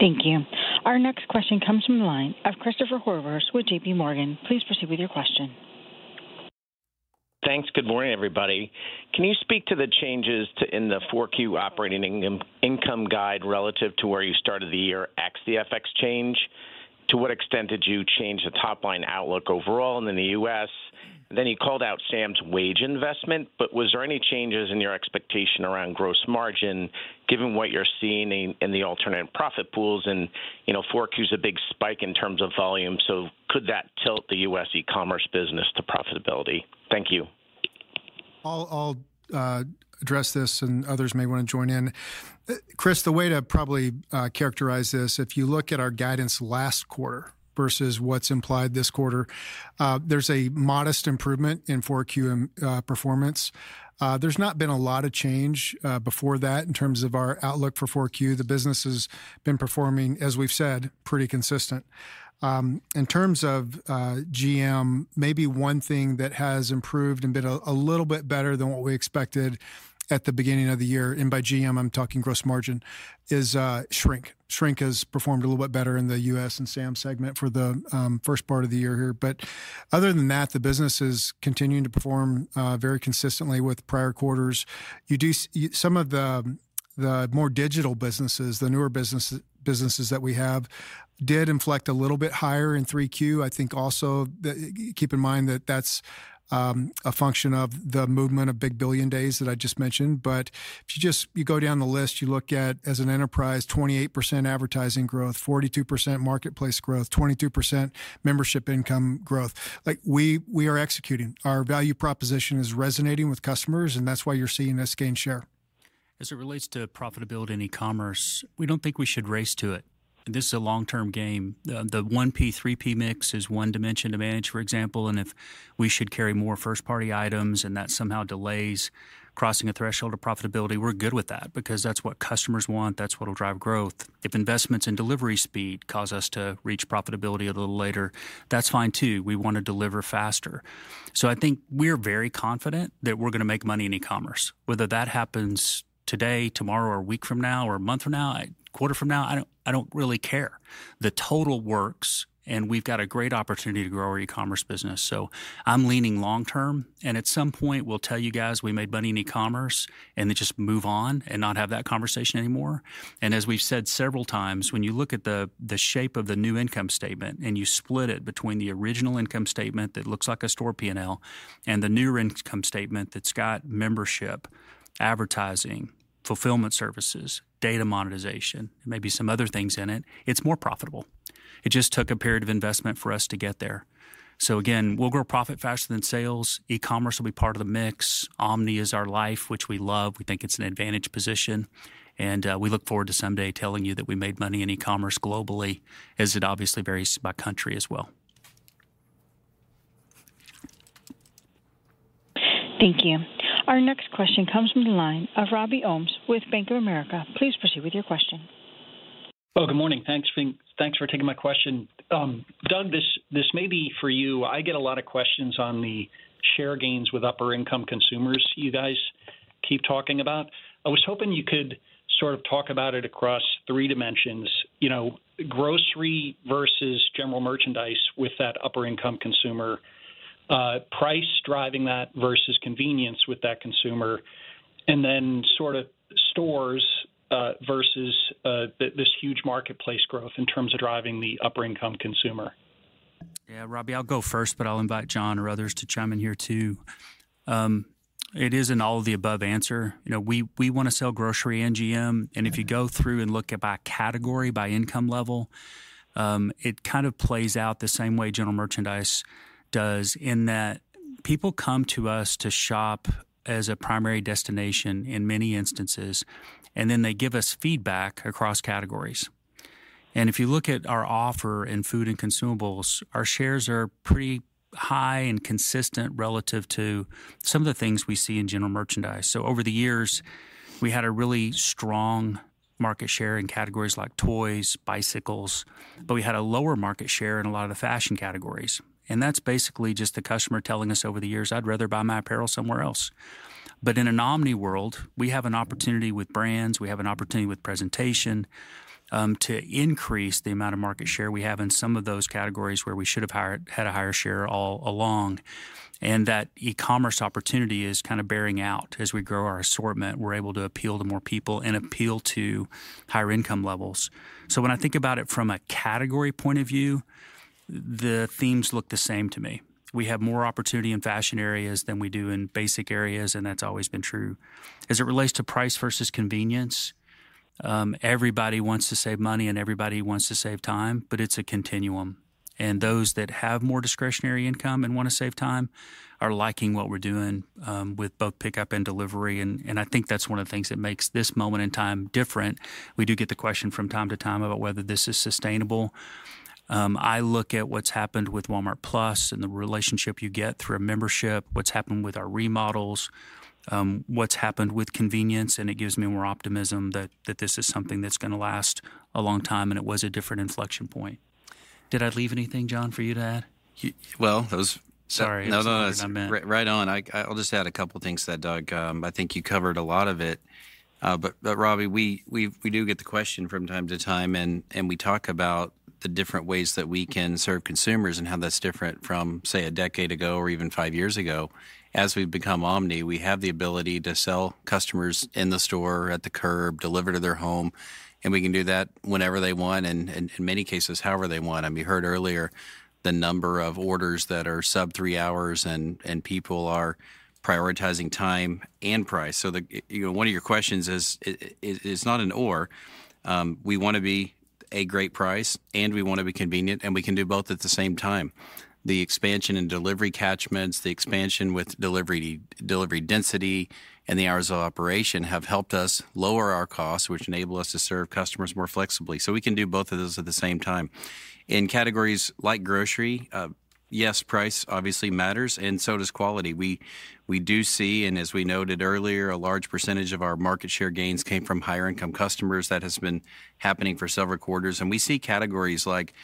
Speaker 1: Thank you. Our next question comes from the line of Christopher Horvers with JPMorgan. Please proceed with your question.
Speaker 11: Thanks. Good morning, everybody. Can you speak to the changes in the 4Q operating income guide relative to where you started the year FX change? To what extent did you change the top line outlook overall in the U.S.? Then you called out Sam's wage investment, but was there any changes in your expectation around gross margin given what you're seeing in the alternative profit pools? And 4Q's a big spike in terms of volume, so could that tilt the U.S. e-commerce business to profitability? Thank you.
Speaker 4: I'll address this, and others may want to join in. Chris, the way to probably characterize this, if you look at our guidance last quarter versus what's implied this quarter, there's a modest improvement in 4Q performance. There's not been a lot of change before that in terms of our outlook for 4Q. The business has been performing, as we've said, pretty consistent. In terms of GM, maybe one thing that has improved and been a little bit better than what we expected at the beginning of the year, and by GM, I'm talking gross margin, is shrink. Shrink has performed a little bit better in the U.S. and Sam segment for the first part of the year here. But other than that, the business is continuing to perform very consistently with prior quarters. Some of the more digital businesses, the newer businesses that we have, did inflect a little bit higher in 3Q. I think, also keep in mind, that that's a function of the movement of Big Billion Days that I just mentioned. But if you just go down the list, you look at, as an enterprise, 28% advertising growth, 42% marketplace growth, 22% membership income growth. We are executing. Our value proposition is resonating with customers, and that's why you're seeing us gain share.
Speaker 3: As it relates to profitability in e-commerce, we don't think we should race to it. This is a long-term game. The 1P, 3P mix is one dimension to manage, for example. If we should carry more first-party items and that somehow delays crossing a threshold of profitability, we're good with that because that's what customers want. That's what'll drive growth. If investments in delivery speed cause us to reach profitability a little later, that's fine, too. We want to deliver faster. I think we're very confident that we're going to make money in e-commerce. Whether that happens today, tomorrow, or a week from now, or a month from now, a quarter from now, I don't really care. The total works, and we've got a great opportunity to grow our e-commerce business. So I'm leaning long-term, and at some point, we'll tell you guys, "We made money in e-commerce," and then just move on and not have that conversation anymore. And as we've said several times, when you look at the shape of the new income statement and you split it between the original income statement that looks like a store P&L and the newer income statement that's got membership, advertising, fulfillment services, data monetization, and maybe some other things in it, it's more profitable. It just took a period of investment for us to get there. So again, we'll grow profit faster than sales. E-commerce will be part of the mix. Omni is our life, which we love. We think it's an advantage position. And we look forward to someday telling you that we made money in e-commerce globally, as it obviously varies by country as well.
Speaker 1: Thank you. Our next question comes from the line of Robbie Ohmes with Bank of America. Please proceed with your question.
Speaker 12: Oh, good morning. Thanks for taking my question. Doug, this may be for you. I get a lot of questions on the share gains with upper-income consumers you guys keep talking about. I was hoping you could sort of talk about it across three dimensions: Grocery versus General Merchandise with that upper-income consumer, price driving that versus convenience with that consumer, and then sort of stores versus this huge marketplace growth in terms of driving the upper-income consumer.
Speaker 3: Yeah, Robbie, I'll go first, but I'll invite John or others to chime in here, too. It isn't all of the above answer. We want to sell Grocery and GM. And if you go through and look at by category, by income level, it kind of plays out the same way General Merchandise does in that people come to us to shop as a primary destination in many instances, and then they give us feedback across categories. And if you look at our offer in food and consumables, our shares are pretty high and consistent relative to some of the things we see in General Merchandise. So over the years, we had a really strong market share in categories like toys, bicycles, but we had a lower market share in a lot of the fashion categories. That's basically just the customer telling us over the years, "I'd rather buy my apparel somewhere else." In an omni world, we have an opportunity with brands. We have an opportunity with presentation to increase the amount of market share we have in some of those categories where we should have had a higher share all along. That e-commerce opportunity is kind of bearing out as we grow our assortment. We're able to appeal to more people and appeal to higher income levels. When I think about it from a category point of view, the themes look the same to me. We have more opportunity in fashion areas than we do in basic areas, and that's always been true. As it relates to price versus convenience, everybody wants to save money, and everybody wants to save time, but it's a continuum. And those that have more discretionary income and want to save time are liking what we're doing with both pickup and delivery. And I think that's one of the things that makes this moment in time different. We do get the question from time to time about whether this is sustainable. I look at what's happened with Walmart+ and the relationship you get through a membership, what's happened with our remodels, what's happened with convenience, and it gives me more optimism that this is something that's going to last a long time, and it was a different inflection point. Did I leave anything, John, for you to add?
Speaker 6: Right on. I'll just add a couple of things to that, Doug. I think you covered a lot of it. But Robbie, we do get the question from time to time, and we talk about the different ways that we can serve consumers and how that's different from, say, a decade ago or even five years ago. As we've become omni, we have the ability to sell customers in the store, at the curb, deliver to their home, and we can do that whenever they want and in many cases, however they want. I mean, you heard earlier the number of orders that are sub-three hours, and people are prioritizing time and price. So one of your questions is, it's not an or. We want to be a great price, and we want to be convenient, and we can do both at the same time. The expansion in delivery catchments, the expansion with delivery density, and the hours of operation have helped us lower our costs, which enable us to serve customers more flexibly. So we can do both of those at the same time. In categories like grocery, yes, price obviously matters, and so does quality. We do see, and as we noted earlier, a large percentage of our market share gains came from higher-income customers. That has been happening for several quarters. And we see categories like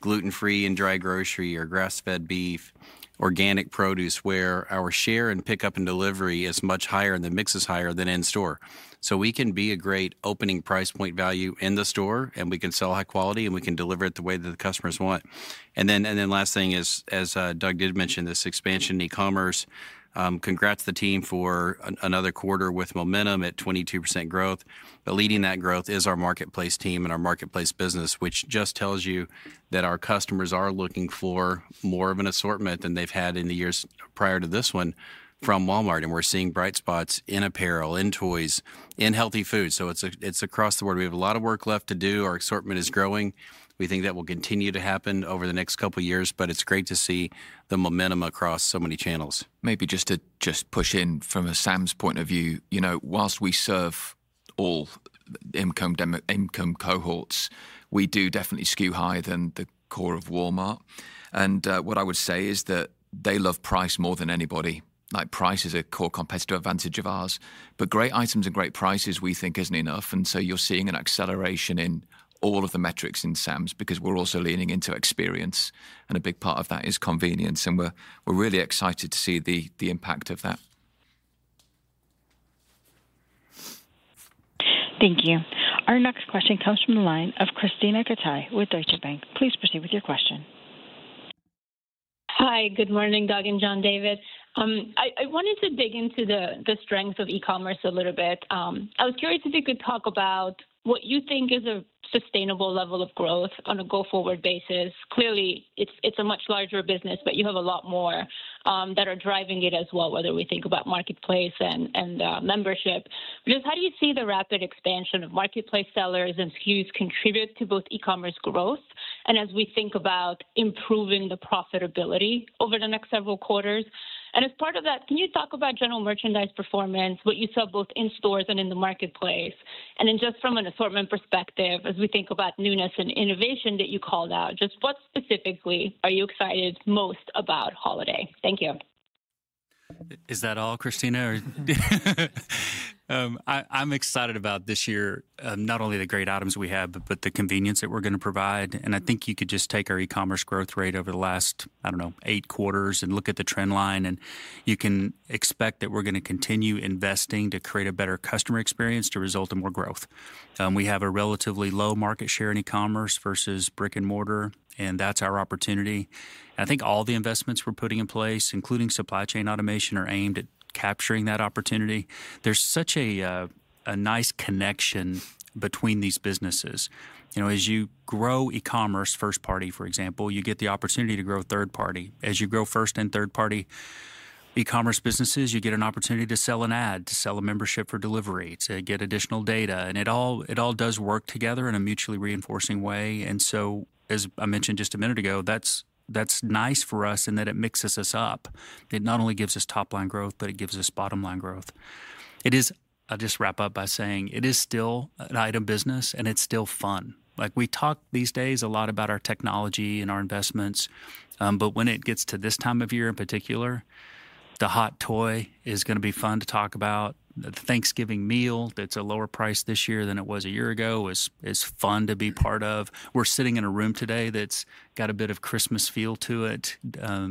Speaker 6: gluten-free and dry grocery or grass-fed beef, organic produce, where our share in pickup and delivery is much higher, and the mix is higher than in-store. So we can be a great opening price point value in the store, and we can sell high quality, and we can deliver it the way that the customers want. And then the last thing is, as Doug did mention, this expansion in e-commerce. Congrats to the team for another quarter with momentum at 22% growth. But leading that growth is our marketplace team and our marketplace business, which just tells you that our customers are looking for more of an assortment than they've had in the years prior to this one from Walmart. And we're seeing bright spots in apparel, in toys, in healthy food. So it's across the board. We have a lot of work left to do. Our assortment is growing. We think that will continue to happen over the next couple of years, but it's great to see the momentum across so many channels. Maybe just to push in from Sam's point of view, you know, while we serve all income cohorts, we do definitely skew higher than the core of Walmart. And what I would say is that they love price more than anybody. Price is a core competitive advantage of ours. But great items and great prices, we think, isn't enough. And so you're seeing an acceleration in all of the metrics in Sam's because we're also leaning into experience, and a big part of that is convenience. And we're really excited to see the impact of that.
Speaker 1: Thank you. Our next question comes from the line of Krisztina Katai with Deutsche Bank. Please proceed with your question.
Speaker 13: Hi, good morning, Doug and John David. I wanted to dig into the strength of e-commerce a little bit. I was curious if you could talk about what you think is a sustainable level of growth on a go-forward basis. Clearly, it's a much larger business, but you have a lot more that are driving it as well, whether we think about marketplace and membership. Just how do you see the rapid expansion of marketplace sellers and SKUs contribute to both e-commerce growth and as we think about improving the profitability over the next several quarters? And as part of that, can you talk about General Merchandise performance, what you saw both in stores and in the marketplace? And then just from an assortment perspective, as we think about newness and innovation that you called out, just what specifically are you excited most about holiday? Thank you.
Speaker 3: Is that all, Krisztina? I'm excited about this year, not only the great items we have, but the convenience that we're going to provide, and I think you could just take our e-commerce growth rate over the last, I don't know, eight quarters and look at the trend line, and you can expect that we're going to continue investing to create a better customer experience to result in more growth. We have a relatively low market share in e-commerce versus brick and mortar, and that's our opportunity, and I think all the investments we're putting in place, including supply chain automation, are aimed at capturing that opportunity. There's such a nice connection between these businesses. As you grow e-commerce first-party, for example, you get the opportunity to grow third-party. As you grow first and third-party e-commerce businesses, you get an opportunity to sell an ad, to sell a membership for delivery, to get additional data. And it all does work together in a mutually reinforcing way. And so, as I mentioned just a minute ago, that's nice for us in that it mixes us up. It not only gives us top-line growth, but it gives us bottom-line growth. I'll just wrap up by saying it is still an item business, and it's still fun. We talk these days a lot about our technology and our investments, but when it gets to this time of year in particular, the hot toy is going to be fun to talk about. The Thanksgiving meal that's a lower price this year than it was a year ago is fun to be part of. We're sitting in a room today that's got a bit of Christmas feel to it,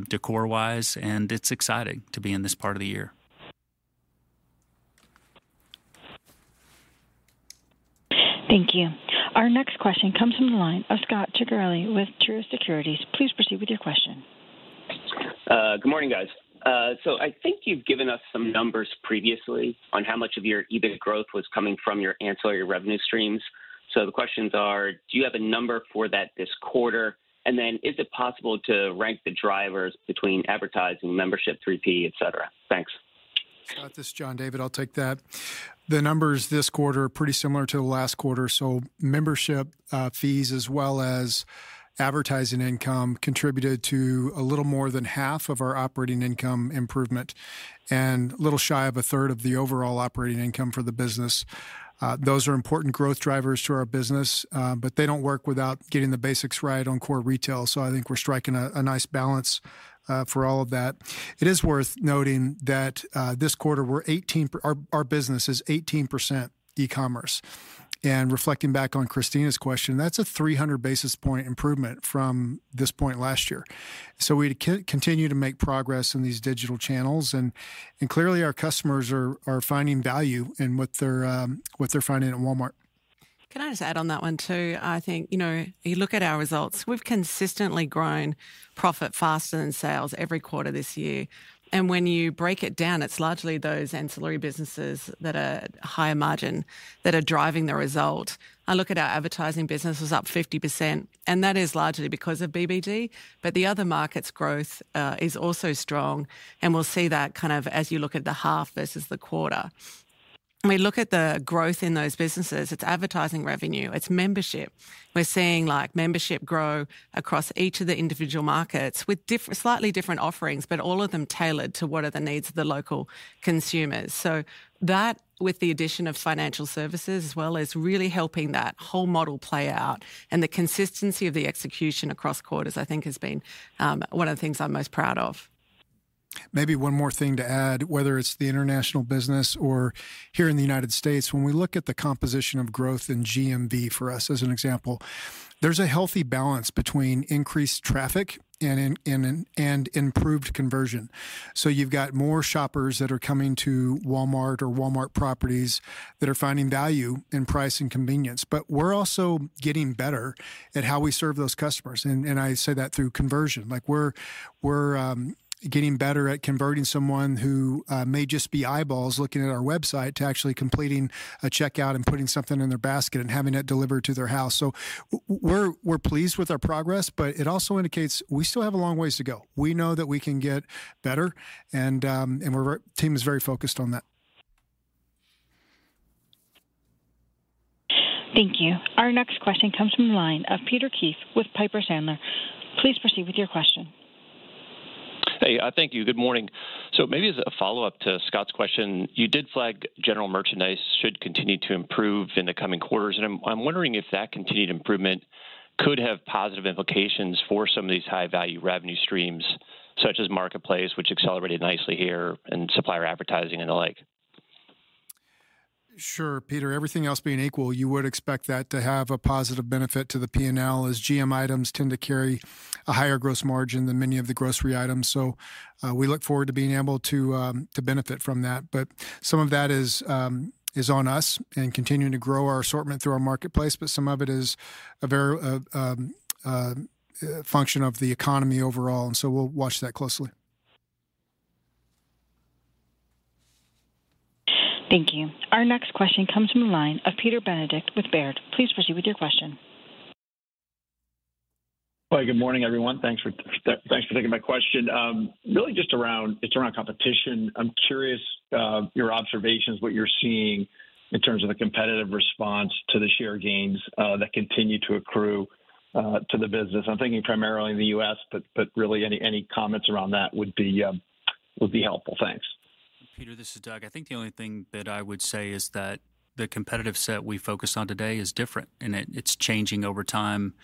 Speaker 3: decor-wise, and it's exciting to be in this part of the year.
Speaker 1: Thank you. Our next question comes from the line of Scot Ciccarelli with Truist Securities. Please proceed with your question.
Speaker 14: Good morning, guys. So I think you've given us some numbers previously on how much of your EBIT growth was coming from your ancillary revenue streams. So the questions are, do you have a number for that this quarter? And then is it possible to rank the drivers between advertising, membership, 3P, etc.? Thanks.
Speaker 4: Scot, this is John David. I'll take that. The numbers this quarter are pretty similar to the last quarter. So membership fees as well as advertising income contributed to a little more than half of our operating income improvement and a little shy of a third of the overall operating income for the business. Those are important growth drivers to our business, but they don't work without getting the basics right on core retail. So I think we're striking a nice balance for all of that. It is worth noting that this quarter, our business is 18% e-commerce. And reflecting back on Christina's question, that's a 300 basis points improvement from this point last year. So we continue to make progress in these digital channels, and clearly our customers are finding value in what they're finding at Walmart.
Speaker 8: Can I just add on that one, too? I think you look at our results. We've consistently grown profit faster than sales every quarter this year, and when you break it down, it's largely those ancillary businesses that are higher margin that are driving the result. I look at our advertising business, it was up 50%, and that is largely because of BBD, but the other markets' growth is also strong, and we'll see that kind of as you look at the half versus the quarter. When we look at the growth in those businesses, it's advertising revenue. It's membership. We're seeing membership grow across each of the individual markets with slightly different offerings, but all of them tailored to what are the needs of the local consumers. So that, with the addition of financial services, as well as really helping that whole model play out and the consistency of the execution across quarters, I think has been one of the things I'm most proud of.
Speaker 4: Maybe one more thing to add, whether it's the international business or here in the United States, when we look at the composition of growth in GMV for us, as an example, there's a healthy balance between increased traffic and improved conversion. So you've got more shoppers that are coming to Walmart or Walmart properties that are finding value in price and convenience. But we're also getting better at how we serve those customers. And I say that through conversion. We're getting better at converting someone who may just be eyeballs looking at our website to actually completing a checkout and putting something in their basket and having it delivered to their house. So we're pleased with our progress, but it also indicates we still have a long ways to go. We know that we can get better, and our team is very focused on that.
Speaker 1: Thank you. Our next question comes from the line of Peter Keith with Piper Sandler. Please proceed with your question.
Speaker 15: Hey, thank you. Good morning. So maybe as a follow-up to Scott's question, you did flag General Merchandise should continue to improve in the coming quarters. And I'm wondering if that continued improvement could have positive implications for some of these high-value revenue streams, such as marketplace, which accelerated nicely here, and supplier advertising and the like.
Speaker 4: Sure, Peter. Everything else being equal, you would expect that to have a positive benefit to the P&L as GM items tend to carry a higher gross margin than many of the grocery items. So we look forward to being able to benefit from that. But some of that is on us and continuing to grow our assortment through our marketplace, but some of it is a function of the economy overall. And so we'll watch that closely.
Speaker 1: Thank you. Our next question comes from the line of Peter Benedict with Baird. Please proceed with your question.
Speaker 16: Hi, good morning, everyone. Thanks for taking my question. Really, it's around competition. I'm curious your observations, what you're seeing in terms of the competitive response to the share gains that continue to accrue to the business. I'm thinking primarily in the U.S., but really any comments around that would be helpful. Thanks.
Speaker 3: Peter, this is Doug. I think the only thing that I would say is that the competitive set we focused on today is different, and it's changing over time,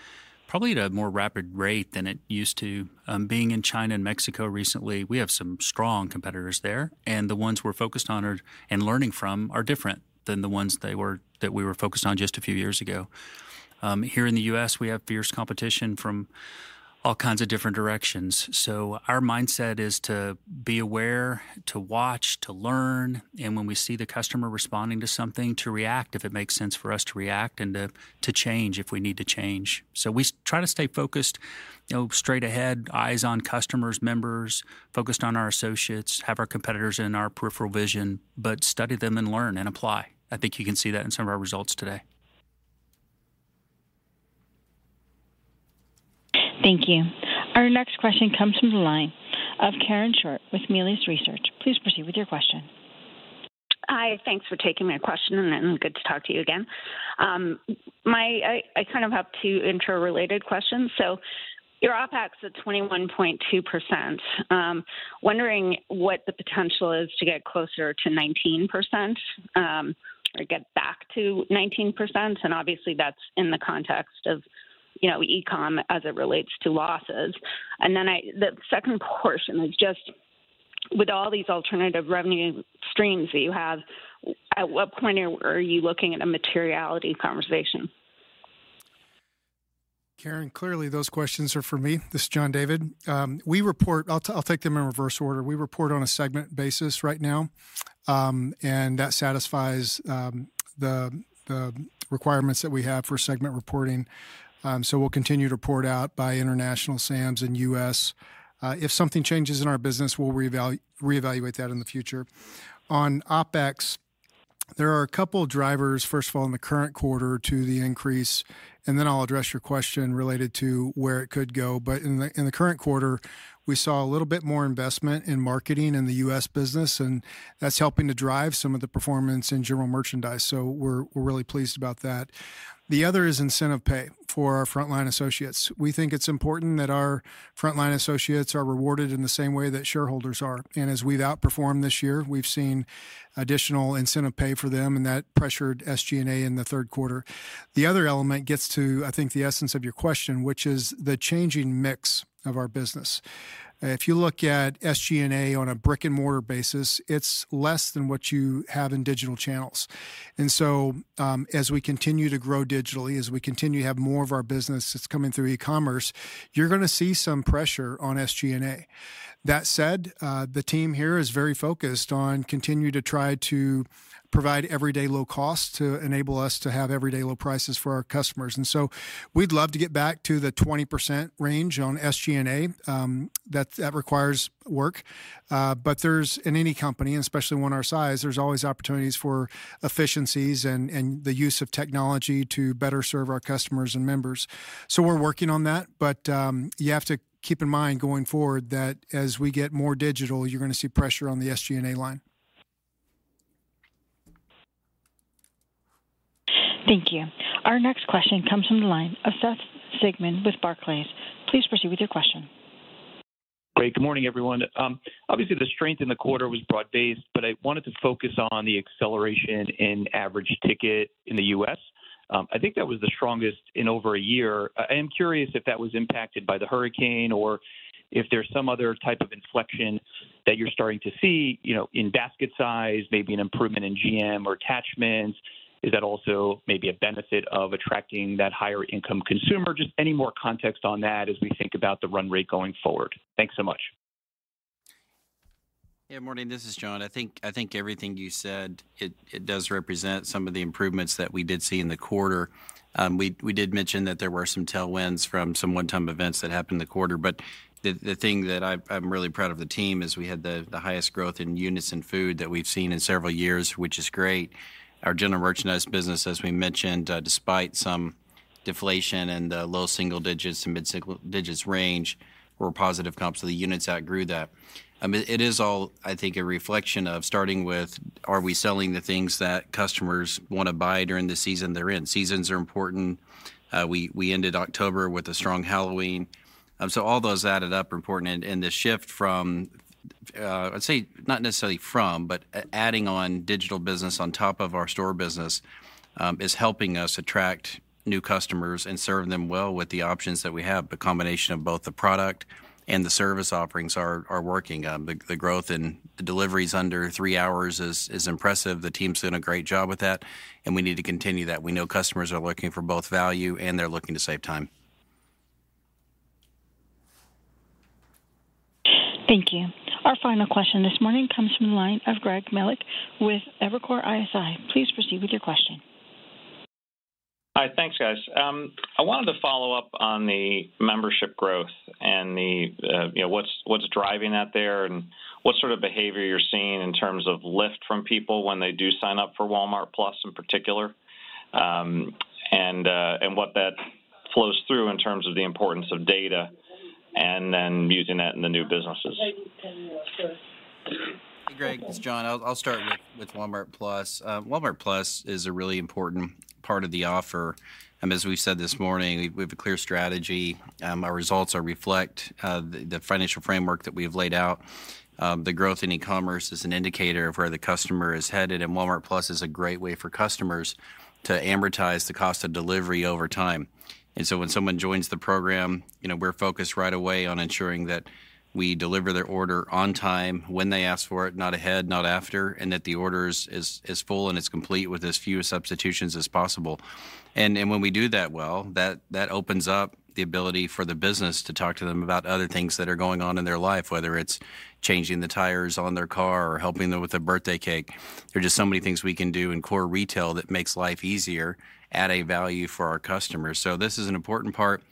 Speaker 3: probably at a more rapid rate than it used to. Being in China and Mexico recently, we have some strong competitors there, and the ones we're focused on and learning from are different than the ones that we were focused on just a few years ago. Here in the U.S., we have fierce competition from all kinds of different directions. So our mindset is to be aware, to watch, to learn, and when we see the customer responding to something, to react if it makes sense for us to react and to change if we need to change. So we try to stay focused, straight ahead, eyes on customers, members, focused on our associates, have our competitors in our peripheral vision, but study them and learn and apply. I think you can see that in some of our results today.
Speaker 1: Thank you. Our next question comes from the line of Karen Short with Melius Research. Please proceed with your question.
Speaker 17: Hi, thanks for taking my question, and good to talk to you again. I kind of have two interrelated questions. So your OpEx at 21.2%, wondering what the potential is to get closer to 19% or get back to 19%. And obviously, that's in the context of e-com as it relates to losses. And then the second portion is just with all these alternative revenue streams that you have, at what point are you looking at a materiality conversation?
Speaker 4: Karen, clearly, those questions are for me. This is John David. I'll take them in reverse order. We report on a segment basis right now, and that satisfies the requirements that we have for segment reporting. So we'll continue to report out by international Sam's and U.S. If something changes in our business, we'll reevaluate that in the future. On OpEx, there are a couple of drivers, first of all, in the current quarter to the increase, and then I'll address your question related to where it could go. But in the current quarter, we saw a little bit more investment in marketing in the U.S. business, and that's helping to drive some of the performance in General Merchandise. So we're really pleased about that. The other is incentive pay for our frontline associates. We think it's important that our frontline associates are rewarded in the same way that shareholders are. And as we've outperformed this year, we've seen additional incentive pay for them, and that pressured SG&A in the third quarter. The other element gets to, I think, the essence of your question, which is the changing mix of our business. If you look at SG&A on a brick-and-mortar basis, it's less than what you have in digital channels. And so as we continue to grow digitally, as we continue to have more of our business that's coming through e-commerce, you're going to see some pressure on SG&A. That said, the team here is very focused on continuing to try to provide everyday low costs to enable us to have everyday low prices for our customers. And so we'd love to get back to the 20% range on SG&A. That requires work. But in any company, and especially one our size, there's always opportunities for efficiencies and the use of technology to better serve our customers and members. So we're working on that, but you have to keep in mind going forward that as we get more digital, you're going to see pressure on the SG&A line.
Speaker 1: Thank you. Our next question comes from the line of Seth Sigman with Barclays. Please proceed with your question.
Speaker 18: Great. Good morning, everyone. Obviously, the strength in the quarter was broad-based, but I wanted to focus on the acceleration in average ticket in the U.S. I think that was the strongest in over a year. I am curious if that was impacted by the hurricane or if there's some other type of inflection that you're starting to see in basket size, maybe an improvement in GM or attachments. Is that also maybe a benefit of attracting that higher-income consumer? Just any more context on that as we think about the run rate going forward. Thanks so much.
Speaker 6: Yeah, morning. This is John. I think everything you said, it does represent some of the improvements that we did see in the quarter. We did mention that there were some tailwinds from some one-time events that happened in the quarter. But the thing that I'm really proud of the team is we had the highest growth in units in food that we've seen in several years, which is great. Our General Merchandise business, as we mentioned, despite some deflation and the low single digits to mid-single digits range, we're positive comps of the units that grew that. It is all, I think, a reflection of starting with, are we selling the things that customers want to buy during the season they're in? Seasons are important. We ended October with a strong Halloween. So all those added up are important. The shift from, I'd say not necessarily from, but adding on digital business on top of our store business is helping us attract new customers and serve them well with the options that we have. The combination of both the product and the service offerings are working. The growth in deliveries under three hours is impressive. The team's doing a great job with that, and we need to continue that. We know customers are looking for both value, and they're looking to save time.
Speaker 1: Thank you. Our final question this morning comes from the line of Greg Melich with Evercore ISI. Please proceed with your question.
Speaker 19: Hi, thanks, guys. I wanted to follow up on the membership growth and what's driving that there and what sort of behavior you're seeing in terms of lift from people when they do sign up for Walmart+ in particular and what that flows through in terms of the importance of data and then using that in the new businesses?
Speaker 6: Hey, Greg, this is John. I'll start with Walmart+. Walmart+ is a really important part of the offer. As we've said this morning, we have a clear strategy. Our results reflect the financial framework that we have laid out. The growth in e-commerce is an indicator of where the customer is headed, and Walmart+ is a great way for customers to amortize the cost of delivery over time. And so when someone joins the program, we're focused right away on ensuring that we deliver their order on time when they ask for it, not ahead, not after, and that the order is full and it's complete with as few substitutions as possible. And when we do that well, that opens up the ability for the business to talk to them about other things that are going on in their life, whether it's changing the tires on their car or helping them with a birthday cake. There are just so many things we can do in core retail that makes life easier at a value for our customers. So this is an important part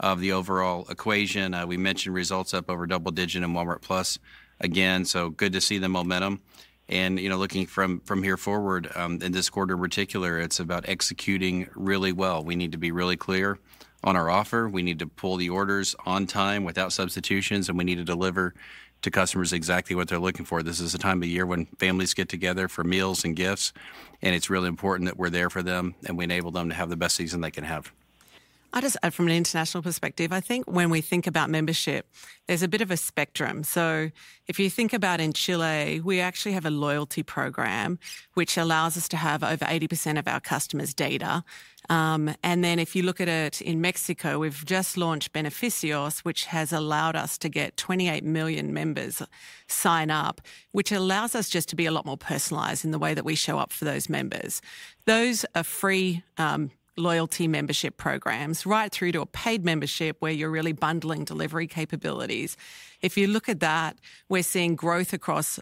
Speaker 6: of the overall equation. We mentioned results up over double-digit in Walmart+ again, so good to see the momentum. And looking from here forward, in this quarter in particular, it's about executing really well. We need to be really clear on our offer. We need to pull the orders on time without substitutions, and we need to deliver to customers exactly what they're looking for. This is a time of year when families get together for meals and gifts, and it's really important that we're there for them and we enable them to have the best season they can have.
Speaker 8: I'll just add from an international perspective. I think when we think about membership, there's a bit of a spectrum. So if you think about in Chile, we actually have a loyalty program which allows us to have over 80% of our customers' data. And then if you look at it in Mexico, we've just launched Beneficios, which has allowed us to get 28 million members sign up, which allows us just to be a lot more personalized in the way that we show up for those members. Those are free loyalty membership programs right through to a paid membership where you're really bundling delivery capabilities. If you look at that, we're seeing growth across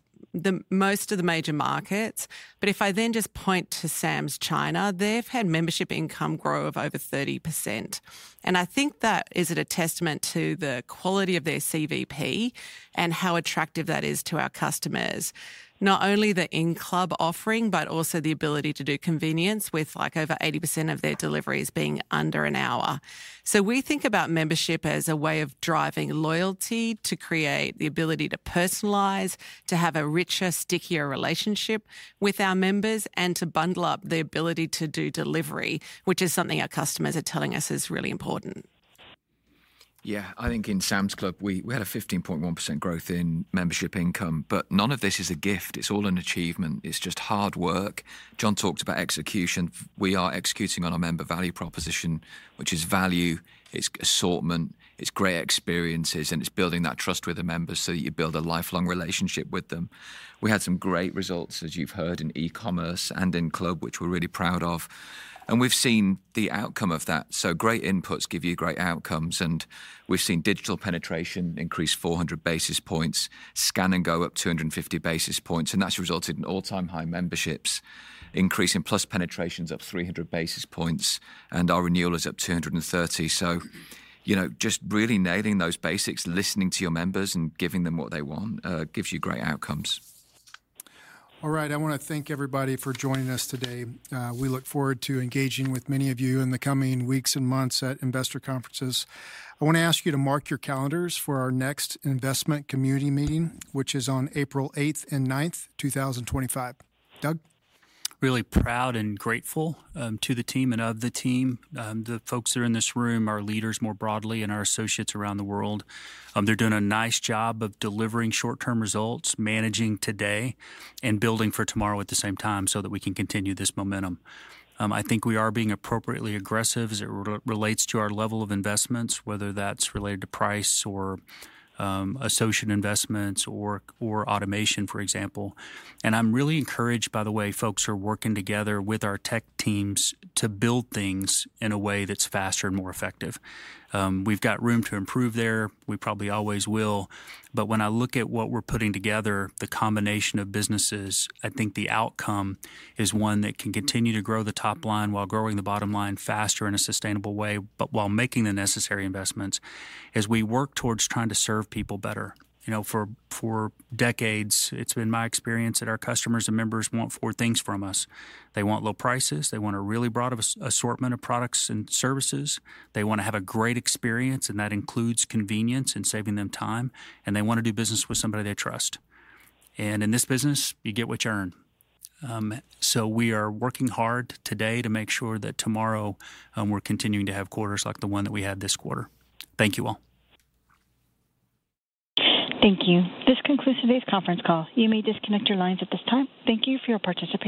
Speaker 8: most of the major markets. But if I then just point to Sam's China, they've had membership income grow of over 30%. And I think that is a testament to the quality of their CVP and how attractive that is to our customers, not only the in-club offering, but also the ability to do convenience with over 80% of their deliveries being under an hour. So we think about membership as a way of driving loyalty to create the ability to personalize, to have a richer, stickier relationship with our members, and to bundle up the ability to do delivery, which is something our customers are telling us is really important.
Speaker 7: Yeah, I think in Sam's Club, we had a 15.1% growth in membership income, but none of this is a gift. It's all an achievement. It's just hard work. John talked about execution. We are executing on our member value proposition, which is value. It's assortment. It's great experiences, and it's building that trust with the members so that you build a lifelong relationship with them. We had some great results, as you've heard, in e-commerce and in club, which we're really proud of, and we've seen the outcome of that, so great inputs give you great outcomes, and we've seen digital penetration increase 400 basis points, Scan & Go up 250 basis points, and that's resulted in all-time high memberships increasing, plus penetrations up 300 basis points, and our renewal is up 230. So just really nailing those basics, listening to your members and giving them what they want gives you great outcomes.
Speaker 4: All right. I want to thank everybody for joining us today. We look forward to engaging with many of you in the coming weeks and months at investor conferences. I want to ask you to mark your calendars for our next investment community meeting, which is on April 8th and 9th, 2025. Doug?
Speaker 3: Really proud and grateful to the team and of the team. The folks that are in this room are leaders more broadly and our associates around the world. They're doing a nice job of delivering short-term results, managing today and building for tomorrow at the same time so that we can continue this momentum. I think we are being appropriately aggressive as it relates to our level of investments, whether that's related to price or associate investments or automation, for example. And I'm really encouraged, by the way, folks who are working together with our tech teams to build things in a way that's faster and more effective. We've got room to improve there. We probably always will. But when I look at what we're putting together, the combination of businesses, I think the outcome is one that can continue to grow the top line while growing the bottom line faster in a sustainable way, but while making the necessary investments as we work towards trying to serve people better. For decades, it's been my experience that our customers and members want four things from us. They want low prices. They want a really broad assortment of products and services. They want to have a great experience, and that includes convenience and saving them time. And they want to do business with somebody they trust. And in this business, you get what you earn. So we are working hard today to make sure that tomorrow we're continuing to have quarters like the one that we had this quarter. Thank you all.
Speaker 1: Thank you. This concludes today's conference call. You may disconnect your lines at this time. Thank you for your participation.